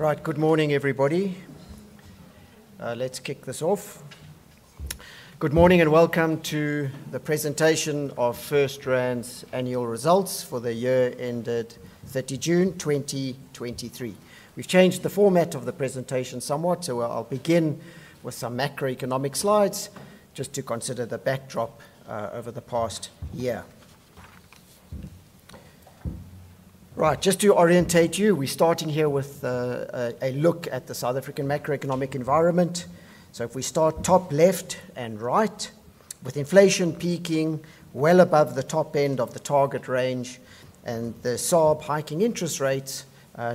Right. Good morning, everybody. Let's kick this off. Good morning, and welcome to the presentation of FirstRand's annual results for the year ended 30 June 2023. We've changed the format of the presentation somewhat, so I'll begin with some macroeconomic slides just to consider the backdrop over the past year. Right. Just to orientate you, we're starting here with a look at the South African macroeconomic environment. So if we start top left and right, with inflation peaking well above the top end of the target range and the SARB hiking interest rates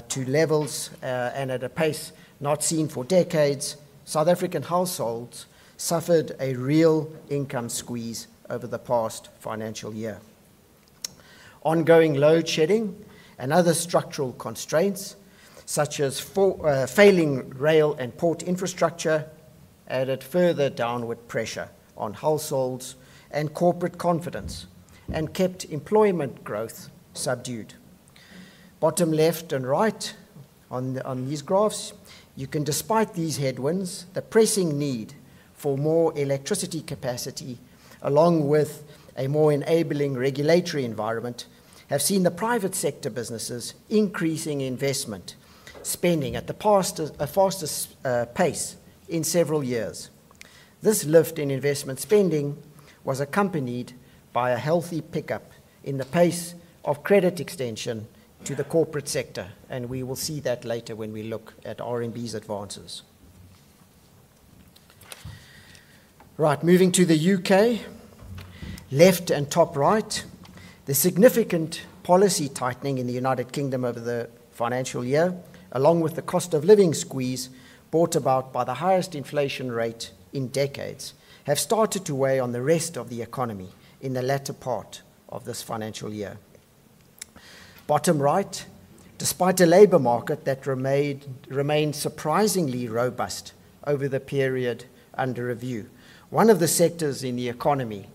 to levels and at a pace not seen for decades, South African households suffered a real income squeeze over the past financial year. Ongoing load shedding and other structural constraints, such as failing rail and port infrastructure, added further downward pressure on households and corporate confidence and kept employment growth subdued. Bottom left and right on these graphs, you can see despite these headwinds, the pressing need for more electricity capacity, along with a more enabling regulatory environment, have seen the private sector businesses increasing investment spending at the fastest pace in several years. This lift in investment spending was accompanied by a healthy pickup in the pace of credit extension to the corporate sector, and we will see that later when we look at RMB's advances. Right, moving to the U.K., left and top right, the significant policy tightening in the United Kingdom over the financial year, along with the cost-of-living squeeze brought about by the highest inflation rate in decades, have started to weigh on the rest of the economy in the latter part of this financial year. Bottom right, despite a labor market that remained surprisingly robust over the period under review, one of the sectors in the economy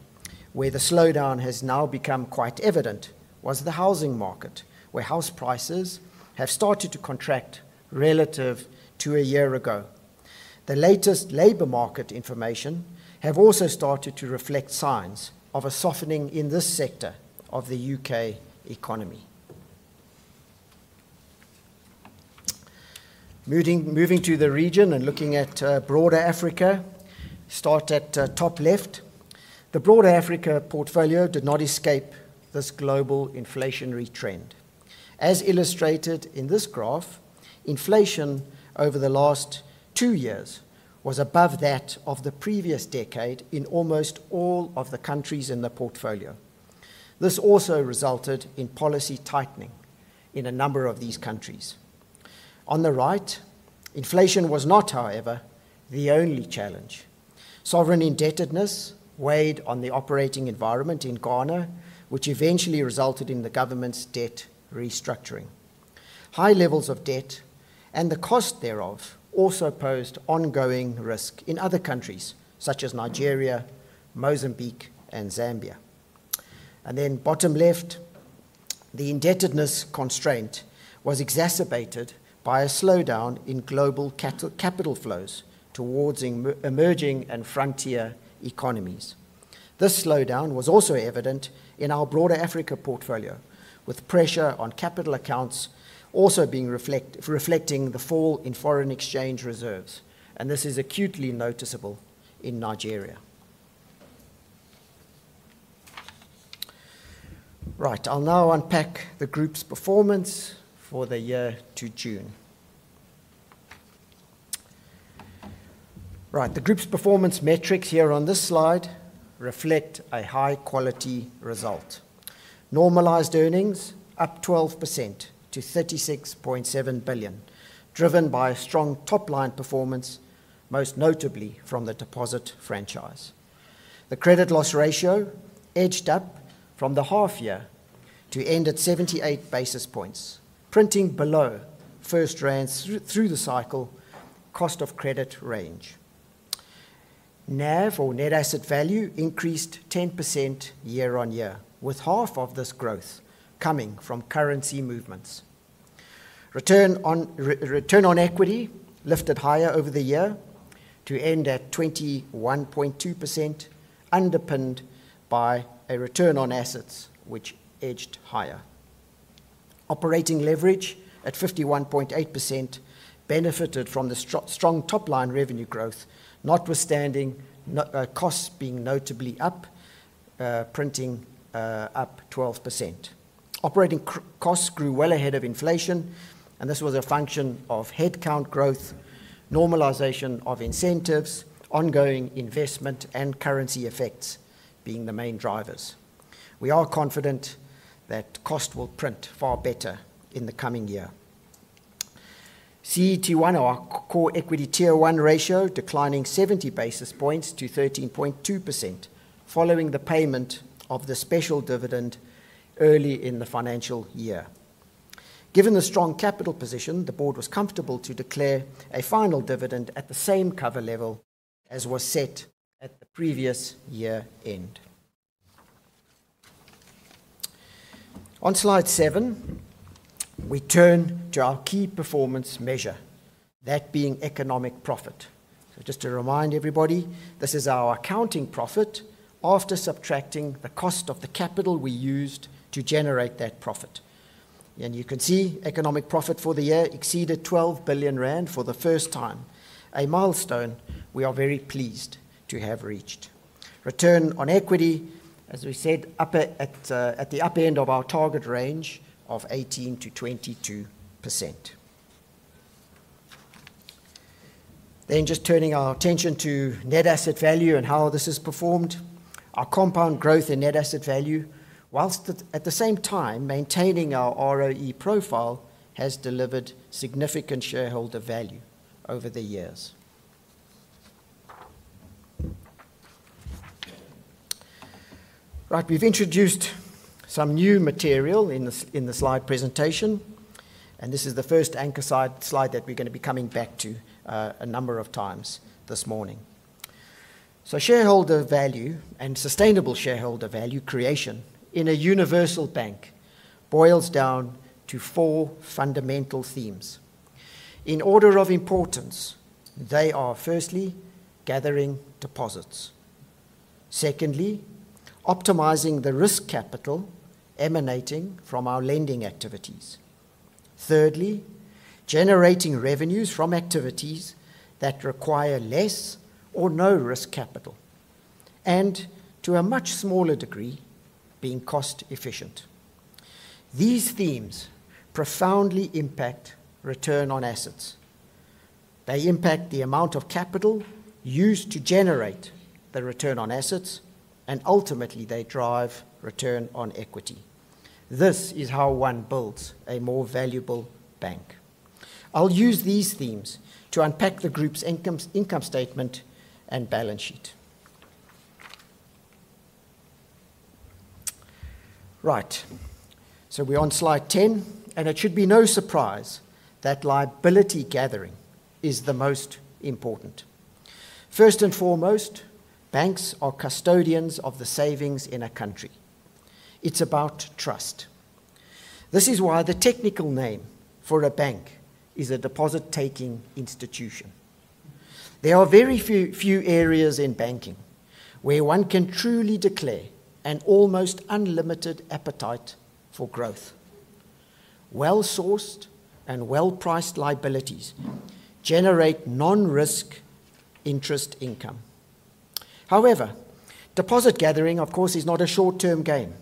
where the slowdown has now become quite evident was the housing market, where house prices have started to contract relative to a year ago. The latest labor market information has also started to reflect signs of a softening in this sector of the U.K. economy. Moving to the region and looking at broader Africa, start at top left. The broader Africa portfolio did not escape this global inflationary trend. As illustrated in this graph, inflation over the last two years was above that of the previous decade in almost all of the countries in the portfolio. This also resulted in policy tightening in a number of these countries. On the right, inflation was not, however, the only challenge. Sovereign indebtedness weighed on the operating environment in Ghana, which eventually resulted in the government's debt restructuring. High levels of debt and the cost thereof also posed ongoing risk in other countries, such as Nigeria, Mozambique, and Zambia. And then bottom left, the indebtedness constraint was exacerbated by a slowdown in global capital flows towards emerging and frontier economies. This slowdown was also evident in our broader Africa portfolio, with pressure on capital accounts also reflecting the fall in foreign exchange reserves, and this is acutely noticeable in Nigeria. Right, I'll now unpack the group's performance for the year to June. Right, the group's performance metrics here on this slide reflect a high-quality result. Normalized earnings up 12% to 36.7 billion, driven by a strong top-line performance, most notably from the deposit franchise. The credit loss ratio edged up from the half year to end at 78 basis points, printing below FirstRand's through-the-cycle cost of credit range. NAV or net asset value increased 10% year on year, with half of this growth coming from currency movements. Return on equity lifted higher over the year to end at 21.2%, underpinned by a return on assets which edged higher. Operating leverage at 51.8% benefited from the strong top-line revenue growth, notwithstanding no costs being notably up, printing up 12%. Operating costs grew well ahead of inflation, and this was a function of headcount growth, normalization of incentives, ongoing investment, and currency effects being the main drivers. We are confident that cost will print far better in the coming year. CET1, or our core equity Tier 1 ratio, declined 70 basis points. to 13.2% following the payment of the special dividend early in the financial year. Given the strong capital position, the board was comfortable to declare a final dividend at the same cover level as was set at the previous year end. On slide 7, we turn to our key performance measure, that being economic profit. So just to remind everybody, this is our accounting profit after subtracting the cost of the capital we used to generate that profit. You can see economic profit for the year exceeded 12 billion rand for the first time, a milestone we are very pleased to have reached. Return on equity, as we said, upper at the upper end of our target range of 18%-22%. Just turning our attention to net asset value and how this has performed. Our compound growth in net asset value, whilst at the same time maintaining our ROE profile, has delivered significant shareholder value over the years. Right, we've introduced some new material in the in the slide presentation, and this is the first anchor slide that we're gonna be coming back to, a number of times this morning. Shareholder value and sustainable shareholder value creation in a universal bank boils down to four fundamental themes. In order of importance, they are firstly, gathering deposits. Secondly, optimizing the risk capital emanating from our lending activities. Thirdly, generating revenues from activities that require less or no risk capital, and to a much smaller degree, being cost-efficient. These themes profoundly impact return on assets. They impact the amount of capital used to generate the return on assets, and ultimately, they drive return on equity. This is how one builds a more valuable bank. I'll use these themes to unpack the group's income statement and balance sheet. Right. So we're on slide 10, and it should be no surprise that liability gathering is the most important. First and foremost, banks are custodians of the savings in a country. It's about trust. This is why the technical name for a bank is a deposit-taking institution. There are very few, few areas in banking where one can truly declare an almost unlimited appetite for growth. Well-sourced and well-priced liabilities generate non-risk interest income. However, deposit gathering, of course, is not a short-term game.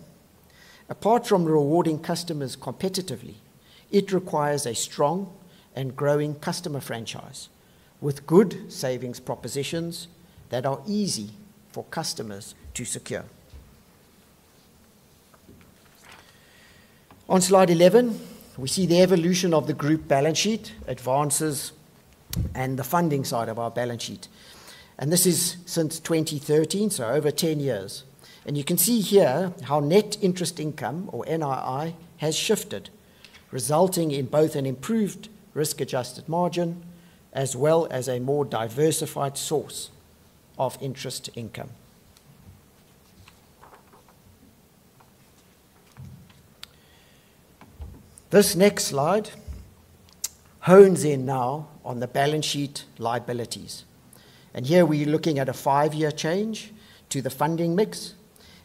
Apart from rewarding customers competitively, it requires a strong and growing customer franchise with good savings propositions that are easy for customers to secure. On slide 11, we see the evolution of the group balance sheet, advances, and the funding side of our balance sheet, and this is since 2013, so over 10 years. You can see here how net interest income, or NII, has shifted, resulting in both an improved risk-adjusted margin, as well as a more diversified source of interest income. This next slide hones in now on the balance sheet liabilities, and here we're looking at a five-year change to the funding mix,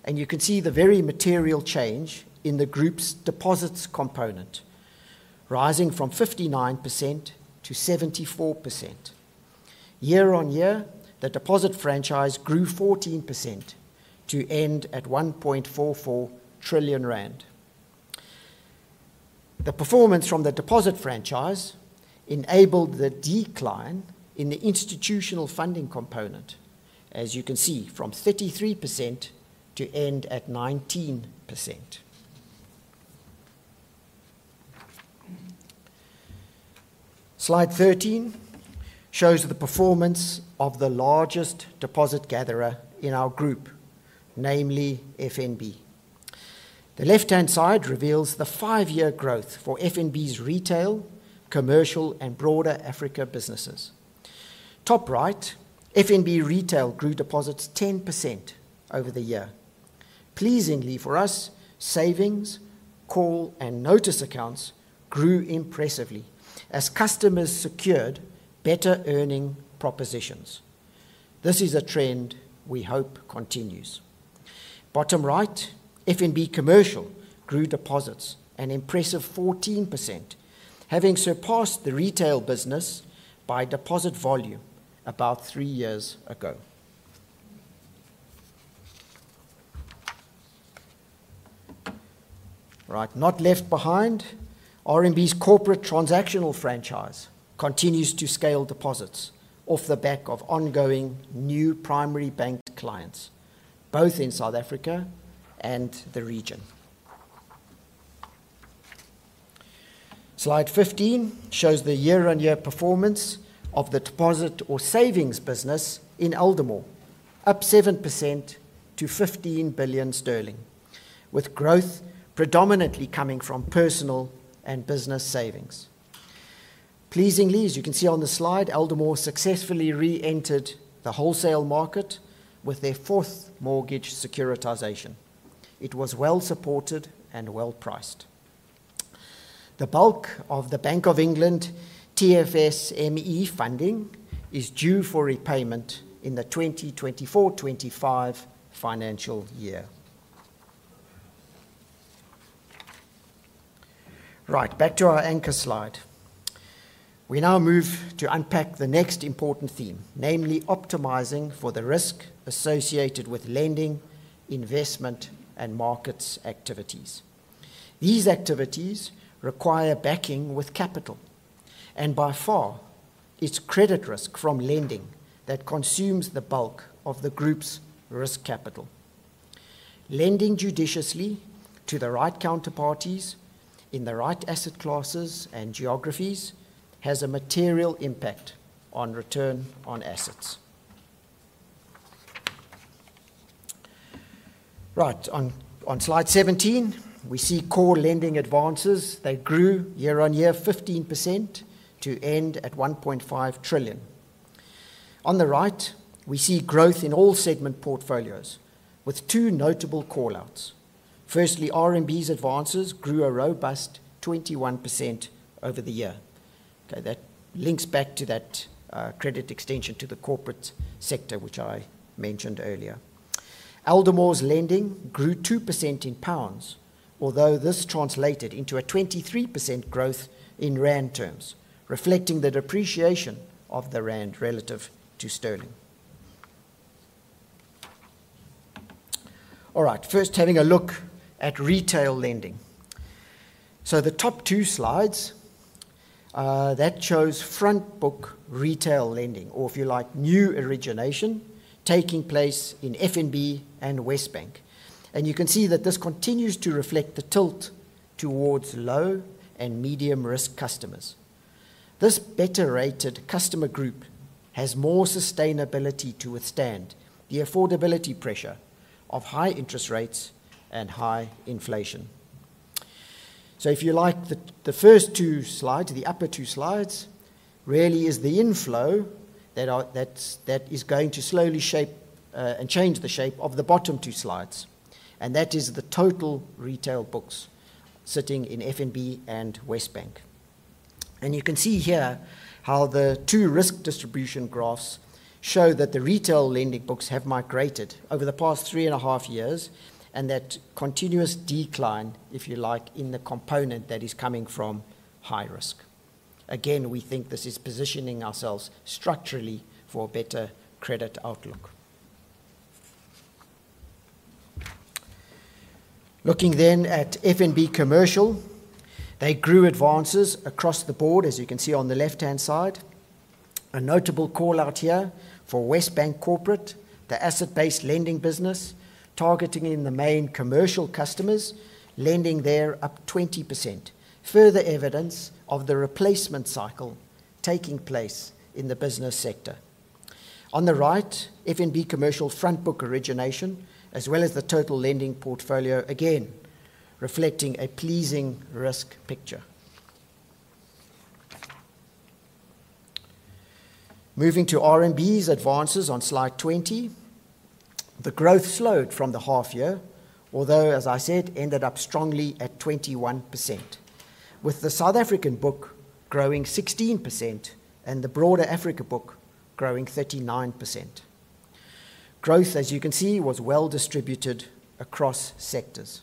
and you can see the very material change in the group's deposits component, rising from 59% to 74%. Year on year, the deposit franchise grew 14% to end at 1.44 trillion rand. The performance from the deposit franchise enabled the decline in the institutional funding component, as you can see, from 33% to end at 19%. Slide 13 shows the performance of the largest deposit gatherer in our group, namely FNB. The left-hand side reveals the 5-year growth for FNB's retail, commercial, and broader Africa businesses. Top right, FNB Retail grew deposits 10% over the year. Pleasingly for us, savings, call, and notice accounts grew impressively as customers secured better earning propositions. This is a trend we hope continues. Bottom right, FNB Commercial grew deposits an impressive 14%, having surpassed the retail business by deposit volume about 3 years ago. Right. Not left behind, RMB's corporate transactional franchise continues to scale deposits off the back of ongoing new primary banked clients, both in South Africa and the region. Slide 15 shows the year-on-year performance of the deposit or savings business in Aldermore, up 7% to 15 billion sterling, with growth predominantly coming from personal and business savings. Pleasingly, as you can see on the slide, Aldermore successfully re-entered the wholesale market with their fourth mortgage securitization. It was well-supported and well-priced. The bulk of the Bank of England TFSME funding is due for repayment in the 2024/2025 financial year. Right, back to our anchor slide. We now move to unpack the next important theme, namely optimizing for the risk associated with lending, investment, and markets activities. These activities require backing with capital, and by far, it's credit risk from lending that consumes the bulk of the Group's risk capital. Lending judiciously to the right counterparties in the right asset classes and geographies has a material impact on return on assets. Right, on slide 17, we see core lending advances. They grew year-on-year 15% to end at 1.5 trillion. On the right, we see growth in all segment portfolios, with two notable call-outs. Firstly, RMB's advances grew a robust 21% over the year. Okay, that links back to that, credit extension to the corporate sector, which I mentioned earlier. Aldermore's lending grew 2% in GBP, although this translated into a 23% growth in rand terms, reflecting the depreciation of the rand relative to sterling. All right, first, having a look at retail lending. So the top two slides, that shows front book retail lending, or if you like, new origination taking place in FNB and WesBank. You can see that this continues to reflect the tilt towards low and medium-risk customers. This better-rated customer group has more sustainability to withstand the affordability pressure of high interest rates and high inflation. So if you like, the first two slides, the upper two slides, really is the inflow that is going to slowly shape and change the shape of the bottom two slides, and that is total retail books sitting in FNB and WesBank. You can see here how the two risk distribution graphs show that the retail lending books have migrated over the past 3.5 years, and that continuous decline, if you like, in the component that is coming from high risk. Again, we think this is positioning ourselves structurally for a better credit outlook. Looking then at FNB Commercial, they grew advances across the board, as you can see on the left-hand side. A notable call-out here for WesBank Corporate, the asset-based lending business, targeting in the main commercial customers, lending there up 20%. Further evidence of the replacement cycle taking place in the business sector. On the right, FNB Commercial front book origination, as well as the total lending portfolio, again, reflecting a pleasing risk picture. Moving to RMB's advances on slide 20. The growth slowed from the half year, although, as I said, ended up strongly at 21%, with the South African book growing 16% and the broader Africa book growing 39%. Growth, as you can see, was well distributed across sectors.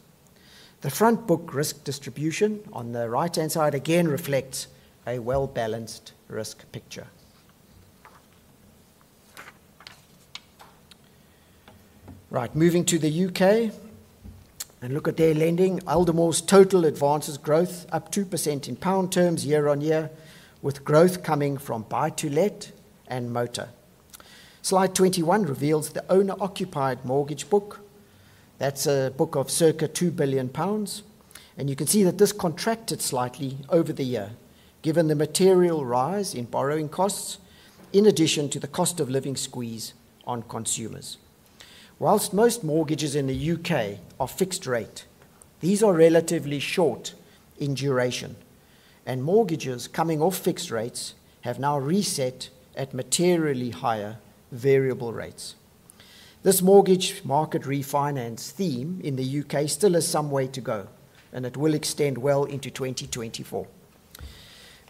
The front book risk distribution on the right-hand side again reflects a well-balanced risk picture. Right, moving to the UK and look at their lending. Aldermore's total advances growth up 2% in pound terms year-on-year, with growth coming from buy-to-let and motor. Slide 21 reveals the owner-occupied mortgage book. That's a book of circa 2 billion pounds, and you can see that this contracted slightly over the year, given the material rise in borrowing costs, in addition to the cost of living squeeze on consumers. Whilst most mortgages in the U.K. are fixed rate, these are relatively short in duration, and mortgages coming off fixed rates have now reset at materially higher variable rates. This mortgage market refinance theme in the U.K. still has some way to go, and it will extend well into 2024.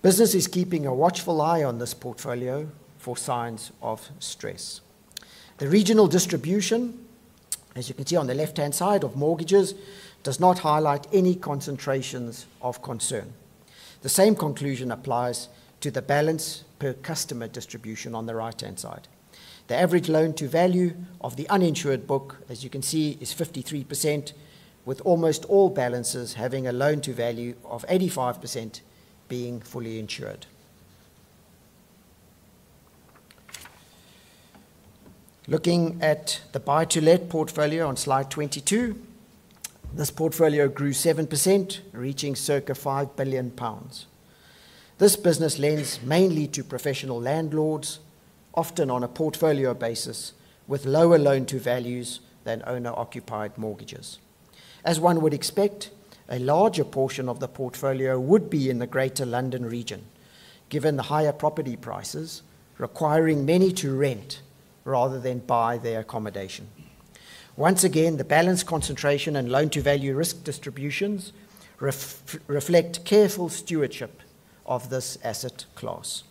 Business is keeping a watchful eye on this portfolio for signs of stress. The regional distribution, as you can see on the left-hand side of mortgages, does not highlight any concentrations of concern. The same conclusion applies to the balance per customer distribution on the right-hand side. The average loan-to-value of the uninsured book, as you can see, is 53%, with almost all balances having a loan-to-value of 85% being fully insured. Looking at the buy-to-let portfolio on slide 22, this portfolio grew 7%, reaching circa 5 billion pounds. This business lends mainly to professional landlords, often on a portfolio basis, with lower loan-to-values than owner-occupied mortgages. As one would expect, a larger portion of the portfolio would be in the Greater London region, given the higher property prices requiring many to rent rather than buy their accommodation. Once again, the balance concentration and loan-to-value risk distributions reflect careful stewardship of this asset class.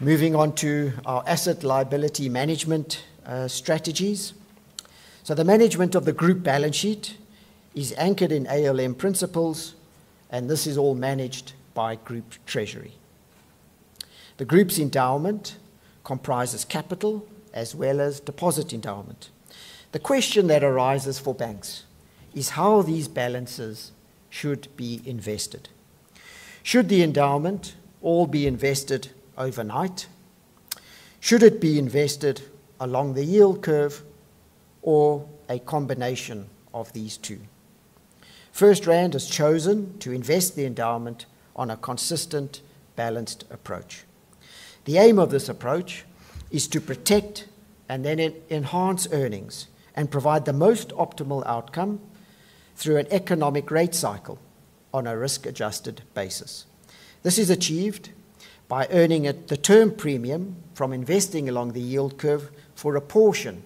Moving on to our asset liability management strategies. So the management of the group balance sheet is anchored in ALM principles, and this is all managed by group treasury. The group's endowment comprises capital as well as deposit endowment. The question that arises for banks is how these balances should be invested. Should the endowment all be invested overnight? Should it be invested along the yield curve or a combination of these two? FirstRand has chosen to invest the endowment on a consistent, balanced approach. The aim of this approach is to protect and then enhance earnings and provide the most optimal outcome through an economic rate cycle on a risk-adjusted basis. This is achieved by earning at the term premium from investing along the yield curve for a portion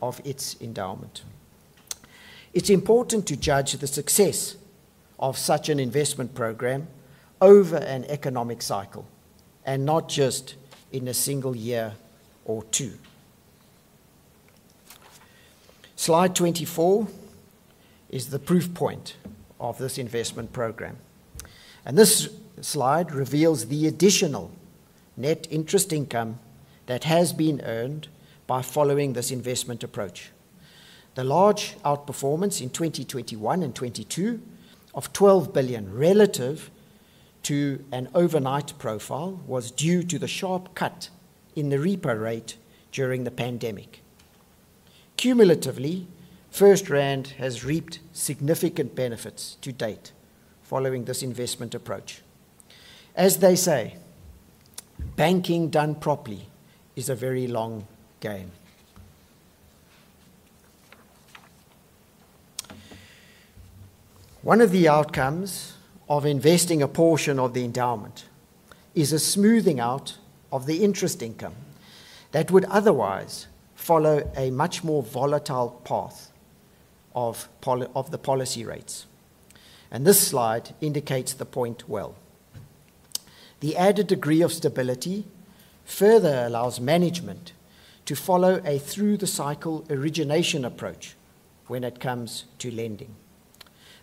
of its endowment. It's important to judge the success of such an investment program over an economic cycle, and not just in a single year or two. Slide 24 is the proof point of this investment program, and this slide reveals the additional net interest income that has been earned by following this investment approach. The large outperformance in 2021 and 2022 of 12 billion, relative to an overnight profile, was due to the sharp cut in the repo rate during the pandemic. Cumulatively, FirstRand has reaped significant benefits to date following this investment approach. As they say, banking done properly is a very long game. One of the outcomes of investing a portion of the endowment is a smoothing out of the interest income that would otherwise follow a much more volatile path of the policy rates, and this slide indicates the point well. The added degree of stability further allows management to follow a through-the-cycle origination approach when it comes to lending.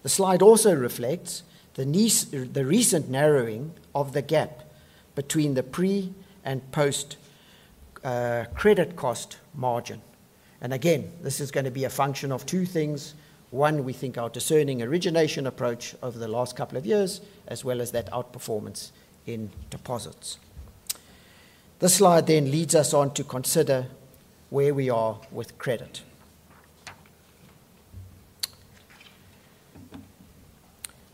The slide also reflects the recent narrowing of the gap between the pre and post credit cost margin. And again, this is gonna be a function of two things. One, we think our discerning origination approach over the last couple of years, as well as that outperformance in deposits. This slide then leads us on to consider where we are with credit.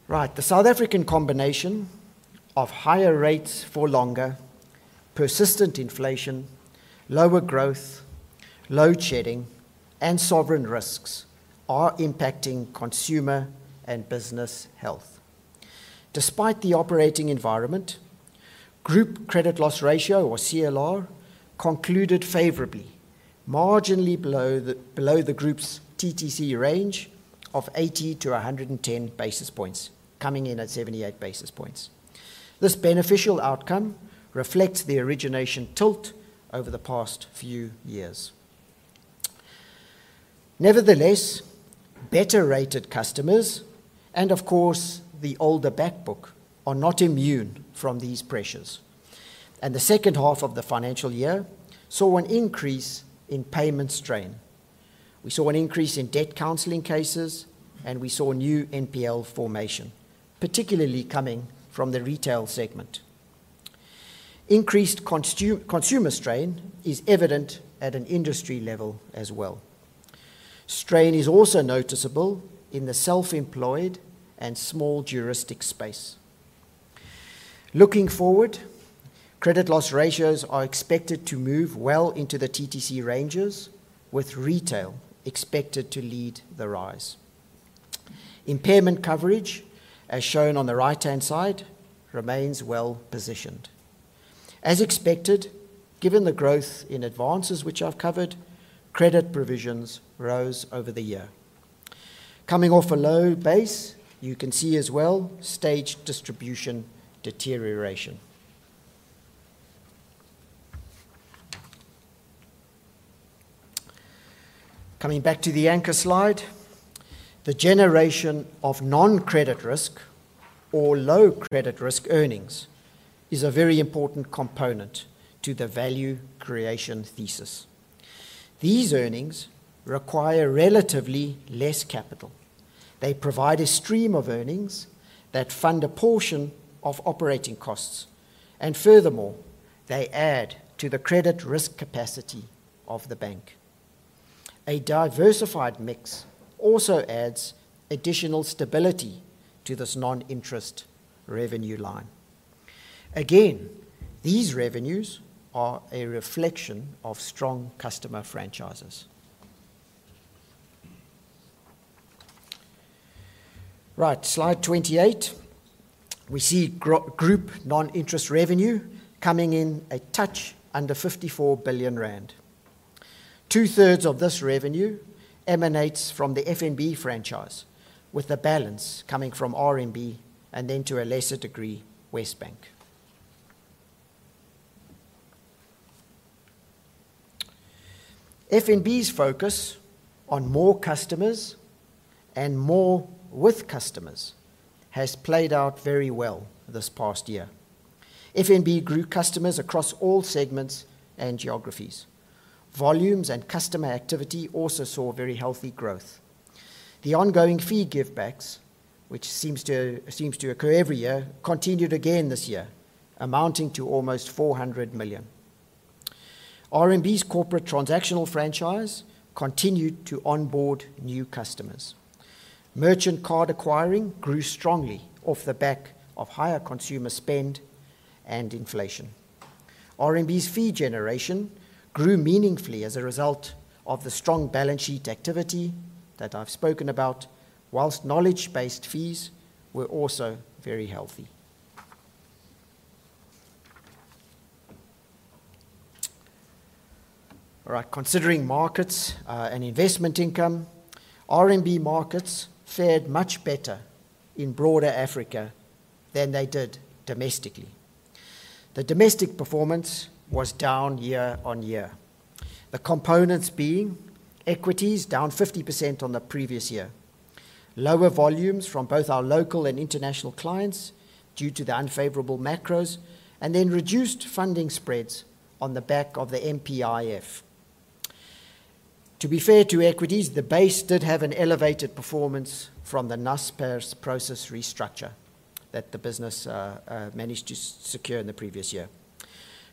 Right. The South African combination of higher rates for longer, persistent inflation, lower growth, load shedding, and sovereign risks are impacting consumer and business health. Despite the operating environment, group credit loss ratio, or CLR, concluded favorably, marginally below the group's TTC range of 80-110 basis points, coming in at 78 basis points. This beneficial outcome reflects the origination tilt over the past few years. Nevertheless, better-rated customers and, of course, the older back book are not immune from these pressures, and the second half of the financial year saw an increase in payment strain. We saw an increase in debt counseling cases, and we saw new NPL formation, particularly coming from the retail segment. Increased consumer strain is evident at an industry level as well. Strain is also noticeable in the self-employed and small juristic space. Looking forward, credit loss ratios are expected to move well into the TTC ranges, with retail expected to lead the rise. Impairment coverage, as shown on the right-hand side, remains well positioned. As expected, given the growth in advances which I've covered, credit provisions rose over the year. Coming off a low base, you can see as well, stage distribution deterioration. Coming back to the anchor slide, the generation of non-credit risk or low credit risk earnings is a very important component to the value creation thesis. These earnings require relatively less capital. They provide a stream of earnings that fund a portion of operating costs, and furthermore, they add to the credit risk capacity of the bank. A diversified mix also adds additional stability to this non-interest revenue line. Again, these revenues are a reflection of strong customer franchises. Right, slide 28. We see group non-interest revenue coming in a touch under 54 billion rand. Two-thirds of this revenue emanates from the FNB franchise, with the balance coming from RMB and then, to a lesser degree, WesBank. FNB's focus on more customers and more with customers has played out very well this past year. FNB grew customers across all segments and geographies. Volumes and customer activity also saw very healthy growth. The ongoing fee givebacks, which seems to occur every year, continued again this year, amounting to almost 400 million. RMB's corporate transactional franchise continued to onboard new customers. Merchant card acquiring grew strongly off the back of higher consumer spend and inflation. RMB's fee generation grew meaningfully as a result of the strong balance sheet activity that I've spoken about, while knowledge-based fees were also very healthy. All right, considering markets and investment income, RMB markets fared much better in broader Africa than they did domestically. The domestic performance was down year-on-year, the components being equities down 50% on the previous year, lower volumes from both our local and international clients due to the unfavorable macros, and then reduced funding spreads on the back of the MPIF. To be fair to equities, the base did have an elevated performance from the Naspers process restructure that the business managed to secure in the previous year.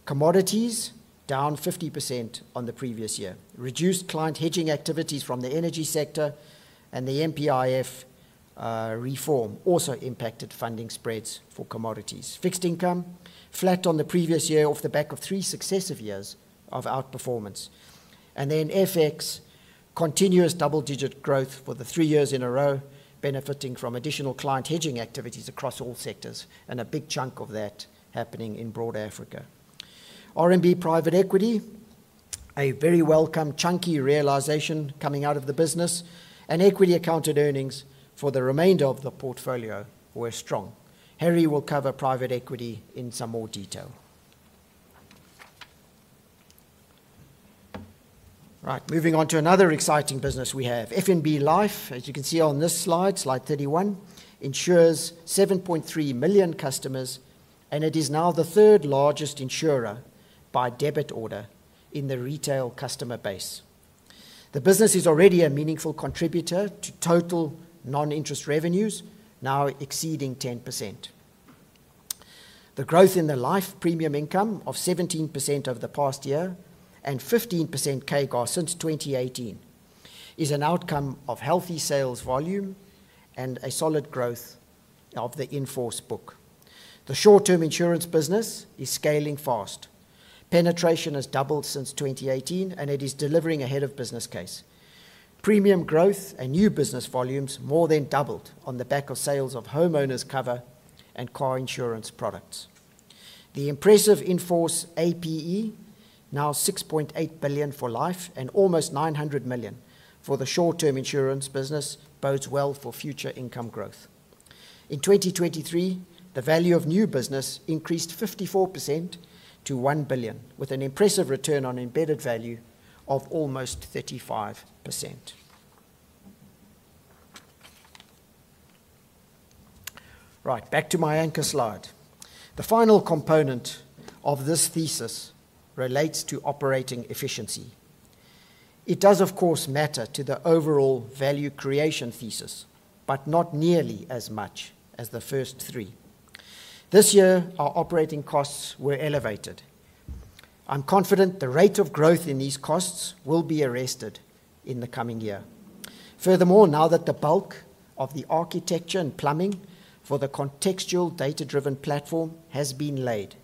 Commodities, down 50% on the previous year. Reduced client hedging activities from the energy sector and the MPIF reform also impacted funding spreads for commodities. Fixed income, flat on the previous year off the back of three successive years of outperformance. And then FX, continuous double-digit growth for the three years in a row, benefiting from additional client hedging activities across all sectors, and a big chunk of that happening in Broad Africa. RMB private equity, a very welcome chunky realisation coming out of the business, and equity accounted earnings for the remainder of the portfolio were strong. Harry will cover private equity in some more detail. Right, moving on to another exciting business we have. FNB Life, as you can see on this slide, slide 31, insures 7.3 million customers, and it is now the third largest insurer by debit order in the retail customer base. The business is already a meaningful contributor to total non-interest revenues, now exceeding 10%. The growth in the life premium income of 17% over the past year and 15% CAGR since 2018 is an outcome of healthy sales volume and a solid growth of the in-force book. The short-term insurance business is scaling fast. Penetration has doubled since 2018, and it is delivering ahead of business case. Premium growth and new business volumes more than doubled on the back of sales of homeowners cover and car insurance products. The impressive in-force APE, now 6.8 billion for life and almost 900 million for the short-term insurance business, bodes well for future income growth. In 2023, the value of new business increased 54% to 1 billion, with an impressive return on embedded value of almost 35%. Right, back to my anchor slide. The final component of this thesis relates to operating efficiency. It does, of course, matter to the overall value creation thesis, but not nearly as much as the first three. This year, our operating costs were elevated. I'm confident the rate of growth in these costs will be arrested in the coming year. Furthermore, now that the bulk of the architecture and plumbing for the contextual data-driven platform has been laid,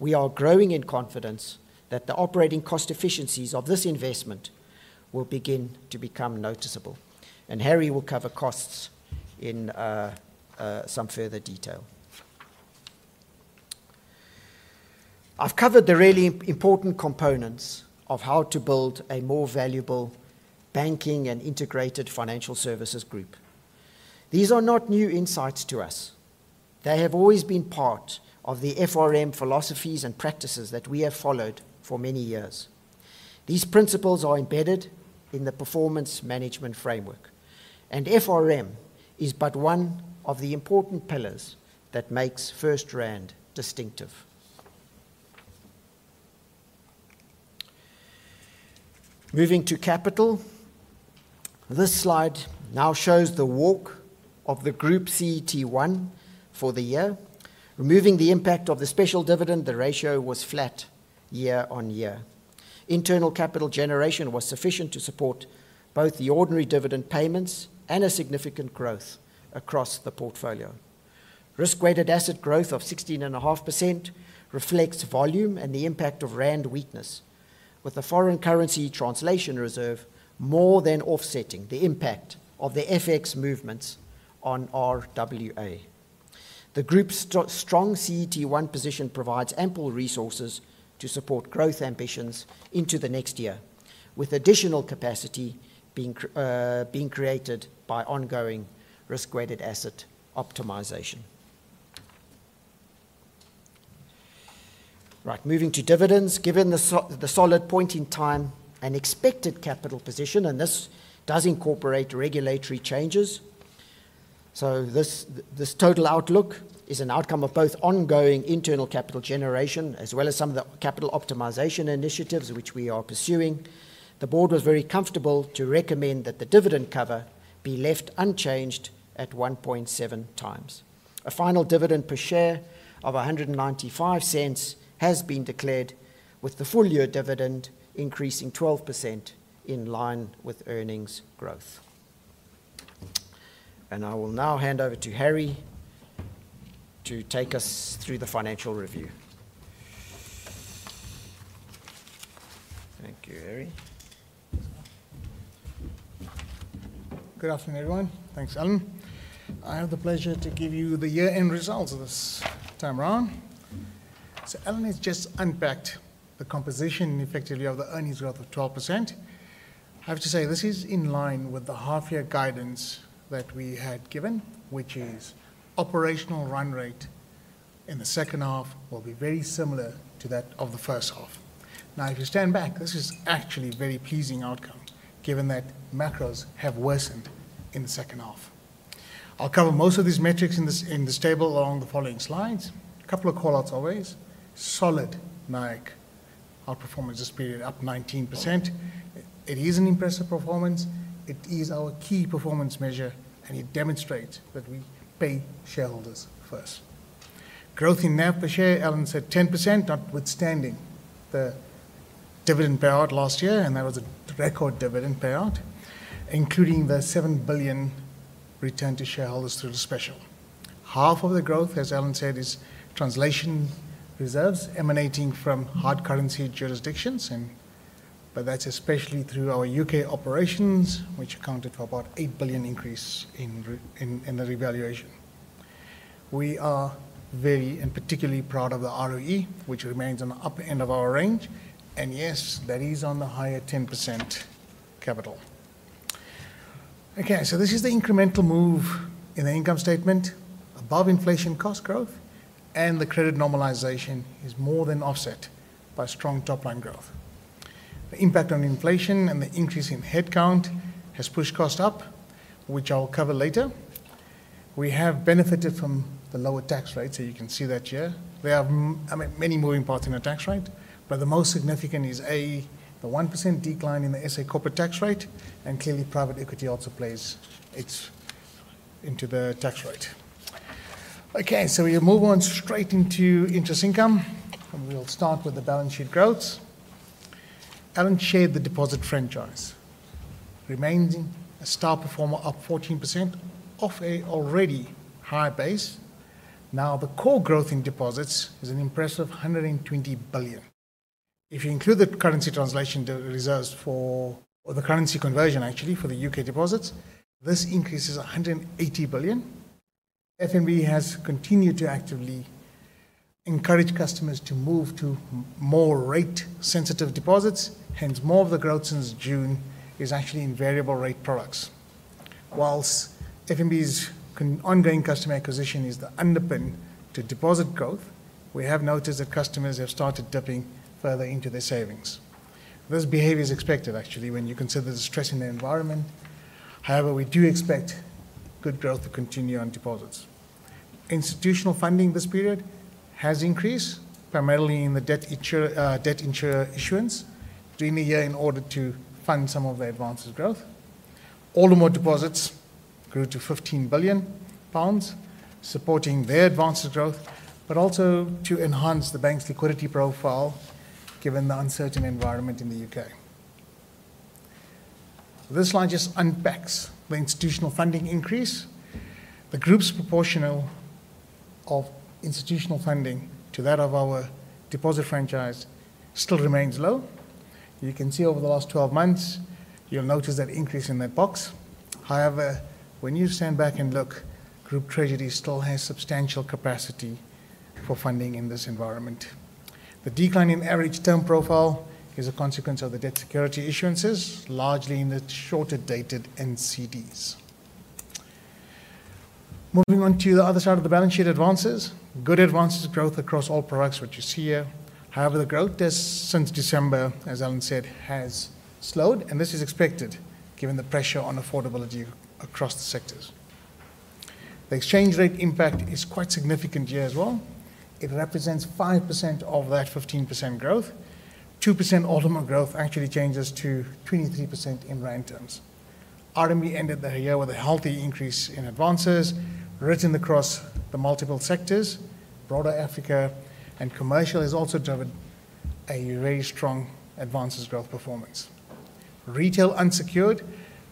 we are growing in confidence that the operating cost efficiencies of this investment will begin to become noticeable, and Harry will cover costs in some further detail. I've covered the really important components of how to build a more valuable banking and integrated financial services group. These are not new insights to us. They have always been part of the FRM philosophies and practices that we have followed for many years. These principles are embedded in the performance management framework, and FRM is but one of the important pillars that makes FirstRand distinctive. Moving to capital. This slide now shows the walk of the Group CET1 for the year. Removing the impact of the special dividend, the ratio was flat year-on-year. Internal capital generation was sufficient to support both the ordinary dividend payments and a significant growth across the portfolio. Risk-weighted asset growth of 16.5% reflects volume and the impact of rand weakness, with the foreign currency translation reserve more than offsetting the impact of the FX movements on RWA. The group's strong CET1 position provides ample resources to support growth ambitions into the next year, with additional capacity being created by ongoing risk-weighted asset optimization. Right, moving to dividends. Given the solid point in time and expected capital position, and this does incorporate regulatory changes. So this total outlook is an outcome of both ongoing internal capital generation, as well as some of the capital optimization initiatives which we are pursuing. The board was very comfortable to recommend that the dividend cover be left unchanged at 1.7 times. A final dividend per share of 1.95 has been declared, with the full year dividend increasing 12% in line with earnings growth. I will now hand over to Harry to take us through the financial review. Thank you, Harry. Good afternoon, everyone. Thanks, Alan. I have the pleasure to give you the year-end results this time around. So Alan has just unpacked the composition effectively of the earnings growth of 12%. I have to say, this is in line with the half-year guidance that we had given, which is operational run rate in the second half will be very similar to that of the first half. Now, if you stand back, this is actually a very pleasing outcome, given that macros have worsened in the second half. I'll cover most of these metrics in this table along the following slides. A couple of call-outs always. Solid NII outperformance this period, up 19%. It is an impressive performance. It is our key performance measure, and it demonstrates that we pay shareholders first. Growth in NAV per share, Alan said 10%, notwithstanding the dividend payout last year, and that was a record dividend payout, including the 7 billion return to shareholders through the special. Half of the growth, as Alan said, is translation reserves emanating from hard currency jurisdictions, but that's especially through our UK operations, which accounted for about 8 billion increase in the revaluation. We are very particularly proud of the ROE, which remains on the upper end of our range. And yes, that is on the higher 10% capital. Okay, so this is the incremental move in the income statement. Above inflation cost growth and the credit normalization is more than offset by strong top-line growth. The impact on inflation and the increase in headcount has pushed costs up, which I will cover later. We have benefited from the lower tax rate, so you can see that here. We have many moving parts in our tax rate, but the most significant is, A, the 1% decline in the SA corporate tax rate, and clearly, private equity also plays its into the tax rate. Okay, so we move on straight into interest income, and we'll start with the balance sheet growth. Alan shared the deposit franchise remains a star performer, up 14% off a already high base. Now, the core growth in deposits is an impressive 120 billion. If you include the currency translation reserves for, or the currency conversion, actually, for the UK deposits, this increase is a 180 billion. FNB has continued to actively encourage customers to move to more rate-sensitive deposits, hence more of the growth since June is actually in variable rate products. While FNB's ongoing customer acquisition is the underpin to deposit growth, we have noticed that customers have started dipping further into their savings. This behavior is expected, actually, when you consider the stress in the environment. However, we do expect good growth to continue on deposits. Institutional funding this period has increased, primarily in the debt issuance during the year in order to fund some of the advances growth. Aldermore deposits grew to 15 billion pounds, supporting their advances growth, but also to enhance the bank's liquidity profile, given the uncertain environment in the UK. This slide just unpacks the institutional funding increase. The group's proportion of institutional funding to that of our deposit franchise still remains low. You can see over the last 12 months, you'll notice that increase in that box. However, when you stand back and look, group treasury still has substantial capacity for funding in this environment. The decline in average term profile is a consequence of the debt security issuances, largely in the shorter-dated NCDs. Moving on to the other side of the balance sheet, advances. Good advances growth across all products, which you see here. However, the growth since December, as Alan said, has slowed, and this is expected given the pressure on affordability across the sectors. The exchange rate impact is quite significant here as well. It represents 5% of that 15% growth. 2% Aldermore growth actually changes to 23% in rand terms. RMB ended the year with a healthy increase in advances written across the multiple sectors. Broader Africa and commercial has also driven a very strong advances growth performance. Retail unsecured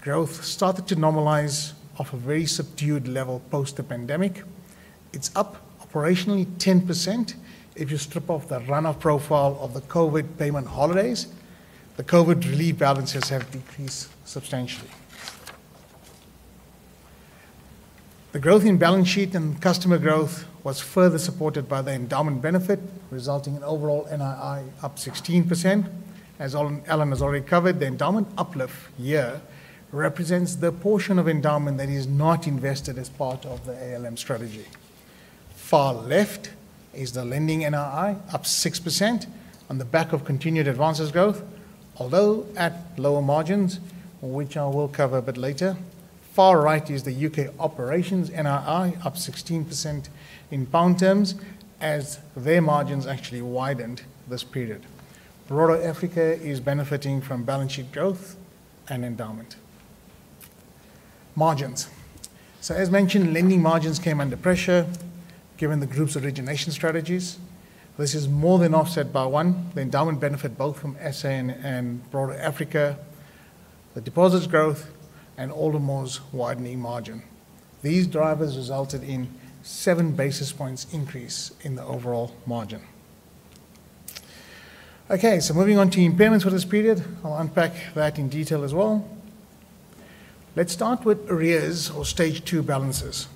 growth started to normalize off a very subdued level post the pandemic. It's up operationally 10%. If you strip off the run-off profile of the COVID payment holidays, the COVID relief balances have decreased substantially. The growth in balance sheet and customer growth was further supported by the endowment benefit, resulting in overall NII up 16%. As Alan has already covered, the endowment uplift year represents the portion of endowment that is not invested as part of the ALM strategy. Far left is the lending NII, up 6% on the back of continued advances growth, although at lower margins, which I will cover a bit later. Far right is the UK operations NII, up 16% in pound terms, as their margins actually widened this period. Broader Africa is benefiting from balance sheet growth and endowment. Margins. So as mentioned, lending margins came under pressure given the group's origination strategies. This is more than offset by, one, the endowment benefit, both from SA and, and broader Africa, the deposits growth and Aldermore's widening margin. These drivers resulted in seven basis points increase in the overall margin. Okay, so moving on to impairments for this period. I'll unpack that in detail as well. Let's start with arrears or stage two balances.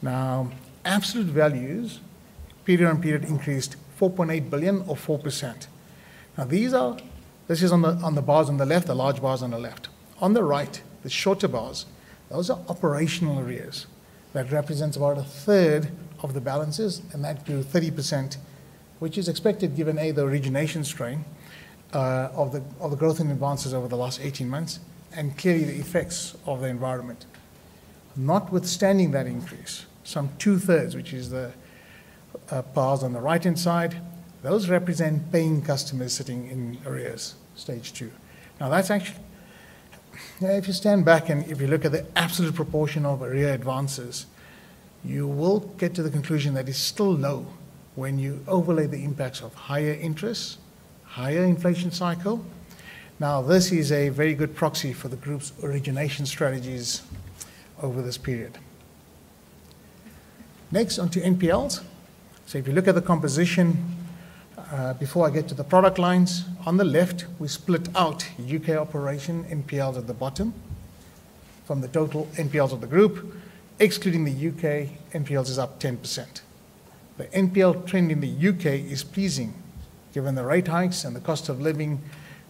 Now, absolute values, period-on-period increased 4.8 billion or 4%. Now, these are This is on the, on the bars on the left, the large bars on the left. On the right, the shorter bars, those are operational arrears. That represents about a third of the balances, and that grew 30%, which is expected given, A, the origination strain of the growth in advances over the last 18 months, and clearly, the effects of the environment. Notwithstanding that increase, some two-thirds, which is the bars on the right-hand side, those represent paying customers sitting in arrears, stage two. Now, that's actually. If you stand back and if you look at the absolute proportion of arrear advances, you will get to the conclusion that it's still low when you overlay the impacts of higher interest, higher inflation cycle. Now, this is a very good proxy for the group's origination strategies over this period. Next, on to NPLs. So if you look at the composition, before I get to the product lines, on the left, we split out UK operation NPLs at the bottom from the total NPLs of the group. Excluding the UK, NPLs is up 10%. The NPL trend in the UK is pleasing, given the rate hikes and the cost of living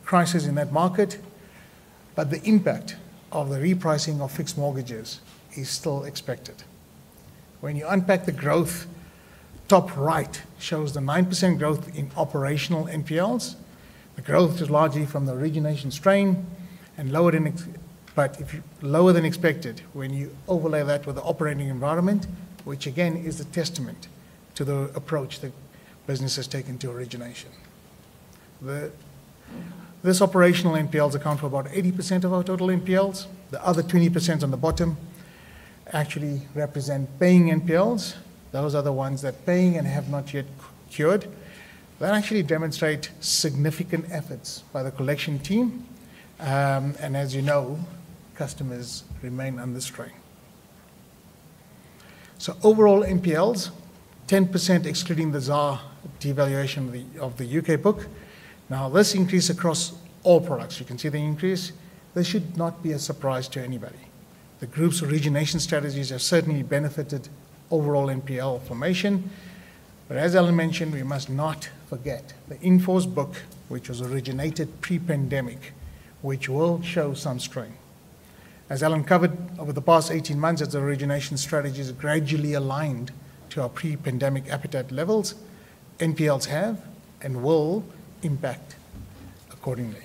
crisis in that market, but the impact of the repricing of fixed mortgages is still expected. When you unpack the growth, top right shows the 9% growth in operational NPLs. The growth is largely from the origination strain and lower than expected when you overlay that with the operating environment, which again, is a testament to the approach the business has taken to origination. This operational NPLs account for about 80% of our total NPLs. The other 20% on the bottom actually represent paying NPLs. Those are the ones that paying and have not yet cured. That actually demonstrate significant efforts by the collection team, and as, customers remain under strain. So overall NPLs, 10%, excluding the ZAR devaluation of the UK book. Now, this increase across all products, you can see the increase. This should not be a surprise to anybody. The group's origination strategies have certainly benefited overall NPL formation. But as Alan mentioned, we must not forget the in-force book, which was originated pre-pandemic, which will show some strain. As Alan covered, over the past 18 months, as the origination strategies gradually aligned to our pre-pandemic appetite levels, NPLs have and will impact accordingly.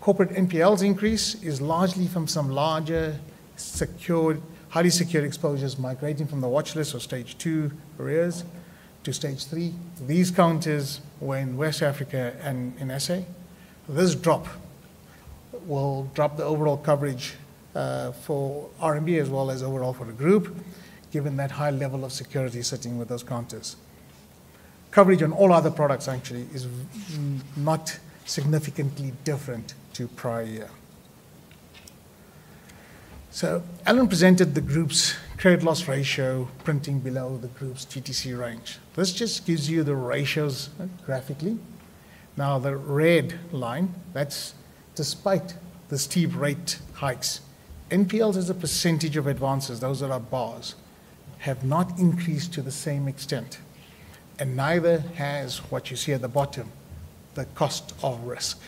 Corporate NPLs increase is largely from some larger, secured, highly secured exposures migrating from the watchlist or Stage 2 arrears to Stage 3. These counters were in West Africa and in SA. This will reduce the overall coverage for RMB as well as overall for the group, given that high level of security sitting with those counters. Coverage on all other products actually is not significantly different to prior year. Alan presented the group's credit loss ratio, printing below the group's TTC range. This just gives you the ratios graphically. Now, the red line, that's despite the steep rate hikes. NPLs as a percentage of advances, those are our bars, have not increased to the same extent, and neither has what you see at the bottom, the cost of risk.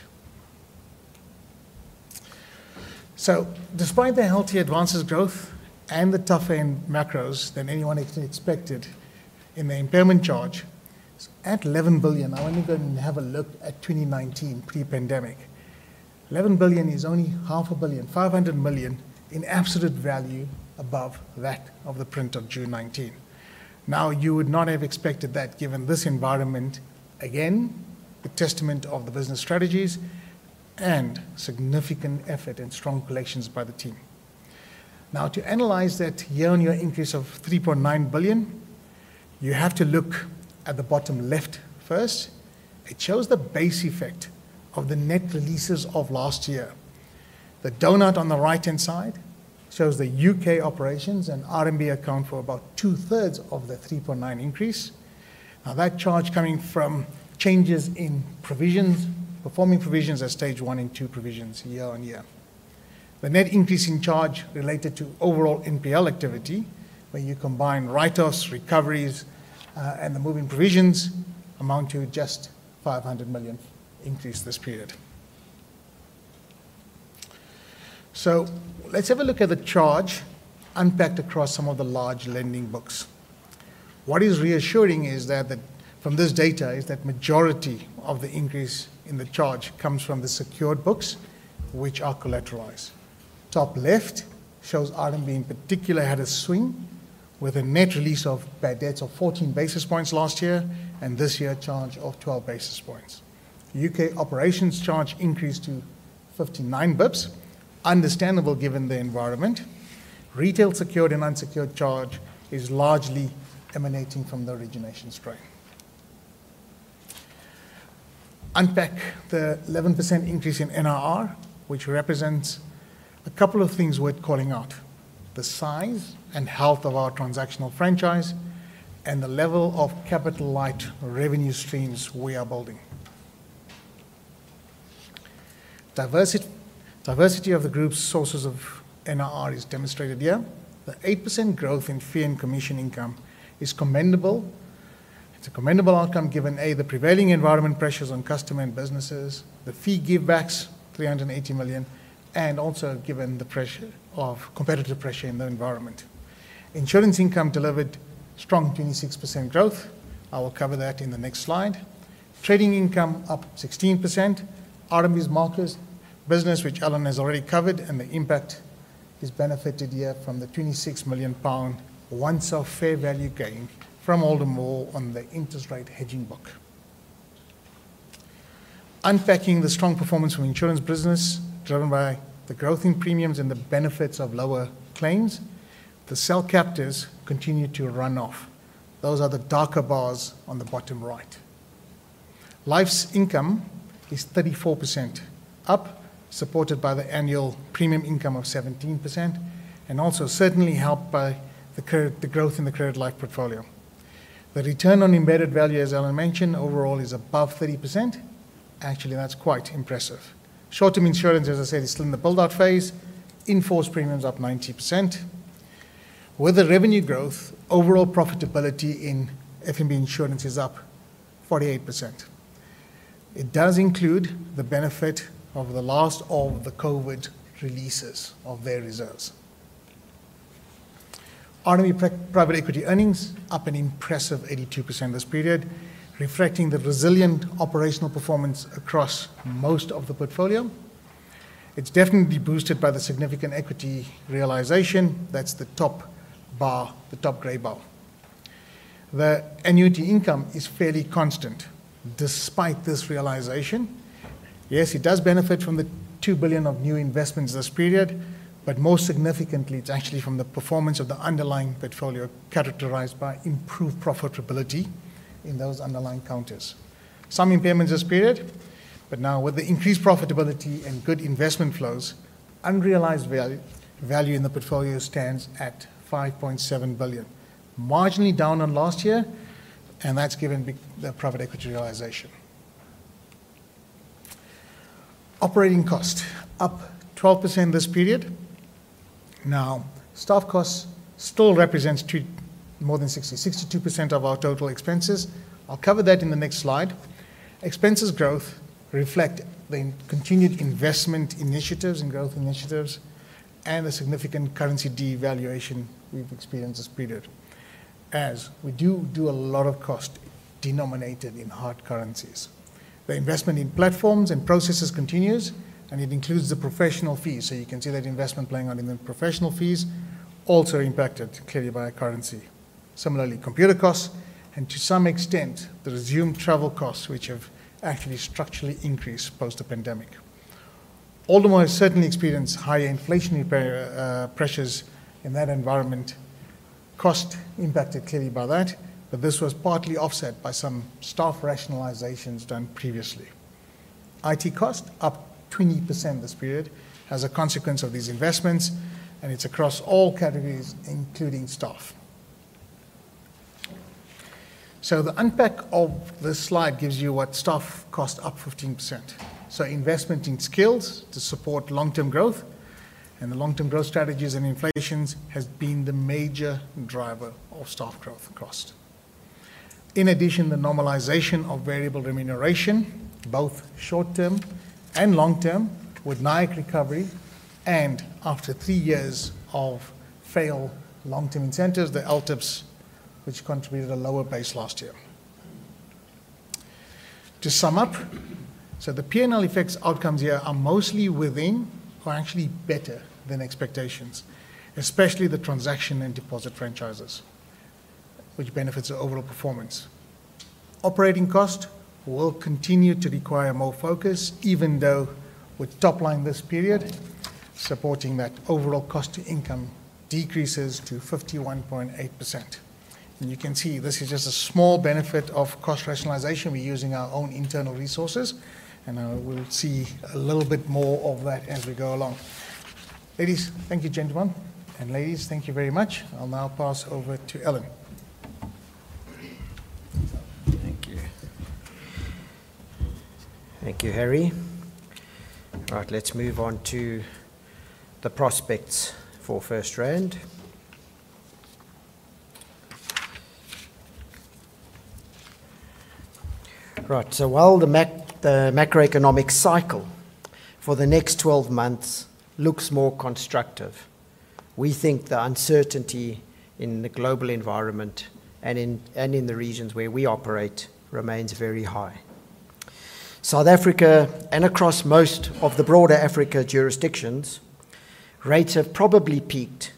So despite the healthy advances growth and the tougher in macros than anyone expected in the impairment charge, it's at 11 billion. I want you to go and have a look at 2019 pre-pandemic. 11 billion is only 500 million in absolute value above that of the print of June 2019. Now, you would not have expected that given this environment. Again, the testament of the business strategies and significant effort and strong collections by the team. Now, to analyze that year-on-year increase of 3.9 billion, you have to look at the bottom left first. It shows the base effect of the net releases of last year. The donut on the right-hand side shows the UK operations, and RMB account for about two-thirds of the 3.9 increase. Now, that charge coming from changes in provisions, performing provisions at Stage 1 and Stage 2 provisions year on year. The net increase in charge related to overall NPL activity, when you combine write-offs, recoveries, and the moving provisions, amount to just 500 million increase this period. So let's have a look at the charge unpacked across some of the large lending books. What is reassuring is that from this data is that majority of the increase in the charge comes from the secured books, which are collateralized. Top left shows RMB, in particular, had a swing with a net release of bad debts of 14 basis points last year, and this year, a charge of 12 basis points. UK operations charge increased to 59 basis points, understandable given the environment. Retail, secured and unsecured charge is largely emanating from the origination strike. Unpack the 11% increase in NIR, which represents a couple of things worth calling out: the size and health of our transactional franchise and the level of capital-light revenue streams we are building. Diversity of the group's sources of NIR is demonstrated here. The 8% growth in fee and commission income is commendable. It's a commendable outcome given, A, the prevailing environmental pressures on customers and businesses, the fee givebacks, 380 million, and also given the pressure of competitive pressure in the environment. Insurance income delivered strong 26% growth. I will cover that in the next slide. Trading income up 16%. RMB's markets business, which Alan has already covered, and the impact is benefited here from the 26 million pound one-off fair value gain from Aldermore on the interest rate hedging book. Unpacking the strong performance from insurance business, driven by the growth in premiums and the benefits of lower claims, the cell captives continue to run off. Those are the darker bars on the bottom right. Life's income is 34% up, supported by the annual premium income of 17%, and also certainly helped by the growth in the credit life portfolio. The return on embedded value, as Alan mentioned, overall is above 30%. Actually, that's quite impressive. Short-term insurance, as I said, is still in the build-out Phase. In-force premium is up 90%. With the revenue growth, overall profitability in FNB insurance is up 48%. It does include the benefit of the last of the COVID releases of their reserves. RMB private equity earnings up an impressive 82% this period, reflecting the resilient operational performance across most of the portfolio. It's definitely boosted by the significant equity realization. That's the top bar, the top gray bar. The annuity income is fairly constant despite this realization. Yes, it does benefit from the 2 billion of new investments this period, but more significantly, it's actually from the performance of the underlying portfolio, characterized by improved profitability in those underlying counters. Some impairments this period, but now with the increased profitability and good investment flows, unrealized value, value in the portfolio stands at 5.7 billion, marginally down on last year, and that's given the private equity realization. Operating cost, up 12% this period. Now, staff costs still represents two more than 60, 62% of our total expenses. I'll cover that in the next slide. Expenses growth reflect the continued investment initiatives and growth initiatives and the significant currency devaluation we've experienced this period, as we do a lot of cost denominated in hard currencies. The investment in platforms and processes continues, and it includes the professional fees. So you can see that investment playing out in the professional fees, also impacted clearly by currency. Similarly, computer costs and, to some extent, the resumed travel costs, which have actually structurally increased post the pandemic. Aldermore has certainly experienced higher inflationary pressure, pressures in that environment. Cost impacted clearly by that, but this was partly offset by some staff rationalizations done previously. IT cost up 20% this period as a consequence of these investments, and it's across all categories, including staff. So the unpack of this slide gives you what staff cost, up 15%. So investment in skills to support long-term growth and the long-term growth strategies and inflations has been the major driver of staff growth cost. In addition, the normalization of variable remuneration, both short term and long term, with NII recovery and after three years of failed long-term incentives, the LTIPs, which contributed a lower base last year. To sum up, so the P&L effects outcomes here are mostly within or actually better than expectations, especially the transaction and deposit franchises, which benefits our overall performance. Operating cost will continue to require more focus, even though with top line this period, supporting that overall cost to income decreases to 51.8%. And you can see this is just a small benefit of cost rationalization. We're using our own internal resources, and we'll see a little bit more of that as we go along. Ladies, thank you, gentlemen and ladies, thank you very much. I'll now pass over to Alan. Thank you. Thank you, Harry. Right, let's move on to the prospects for FirstRand. Right. So while the macroeconomic cycle for the next 12 months looks more constructive, we think the uncertainty in the global environment and in the regions where we operate remains very high. South Africa and across most of the broader Africa jurisdictions, rates have probably peaked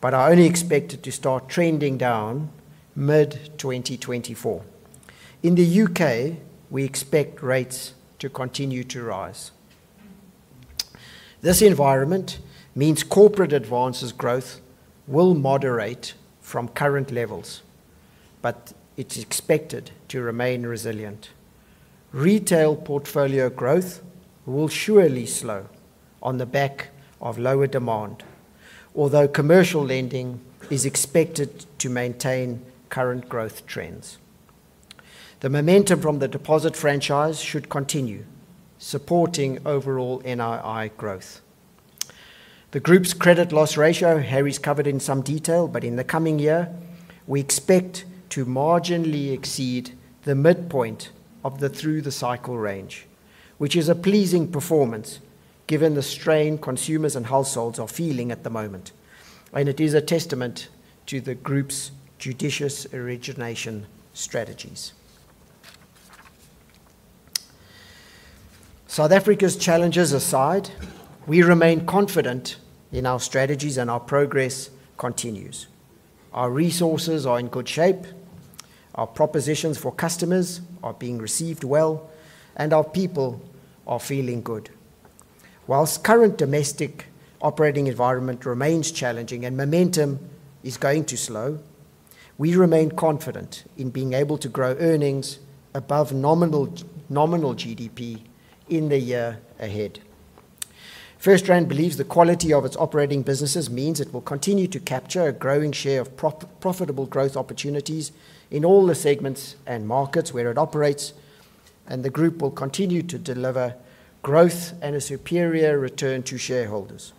but are only expected to start trending down mid-2024. In the U.K., we expect rates to continue to rise. This environment means corporate advances growth will moderate from current levels, but it's expected to remain resilient. Retail portfolio growth will surely slow on the back of lower demand, although commercial lending is expected to maintain current growth trends. The momentum from the deposit franchise should continue, supporting overall NII growth. The group's credit loss ratio, Harry's covered in some detail, but in the coming year, we expect to marginally exceed the midpoint of the through-the-cycle range, which is a pleasing performance given the strain consumers and households are feeling at the moment, and it is a testament to the group's judicious origination strategies. South Africa's challenges aside, we remain confident in our strategies, and our progress continues. Our resources are in good shape, our propositions for customers are being received well, and our people are feeling good. While current domestic operating environment remains challenging and momentum is going to slow, we remain confident in being able to grow earnings above nominal, nominal GDP in the year ahead. FirstRand believes the quality of its operating businesses means it will continue to capture a growing share of profitable growth opportunities in all the segments and markets where it operates, and the group will continue to deliver growth and a superior return to shareholders.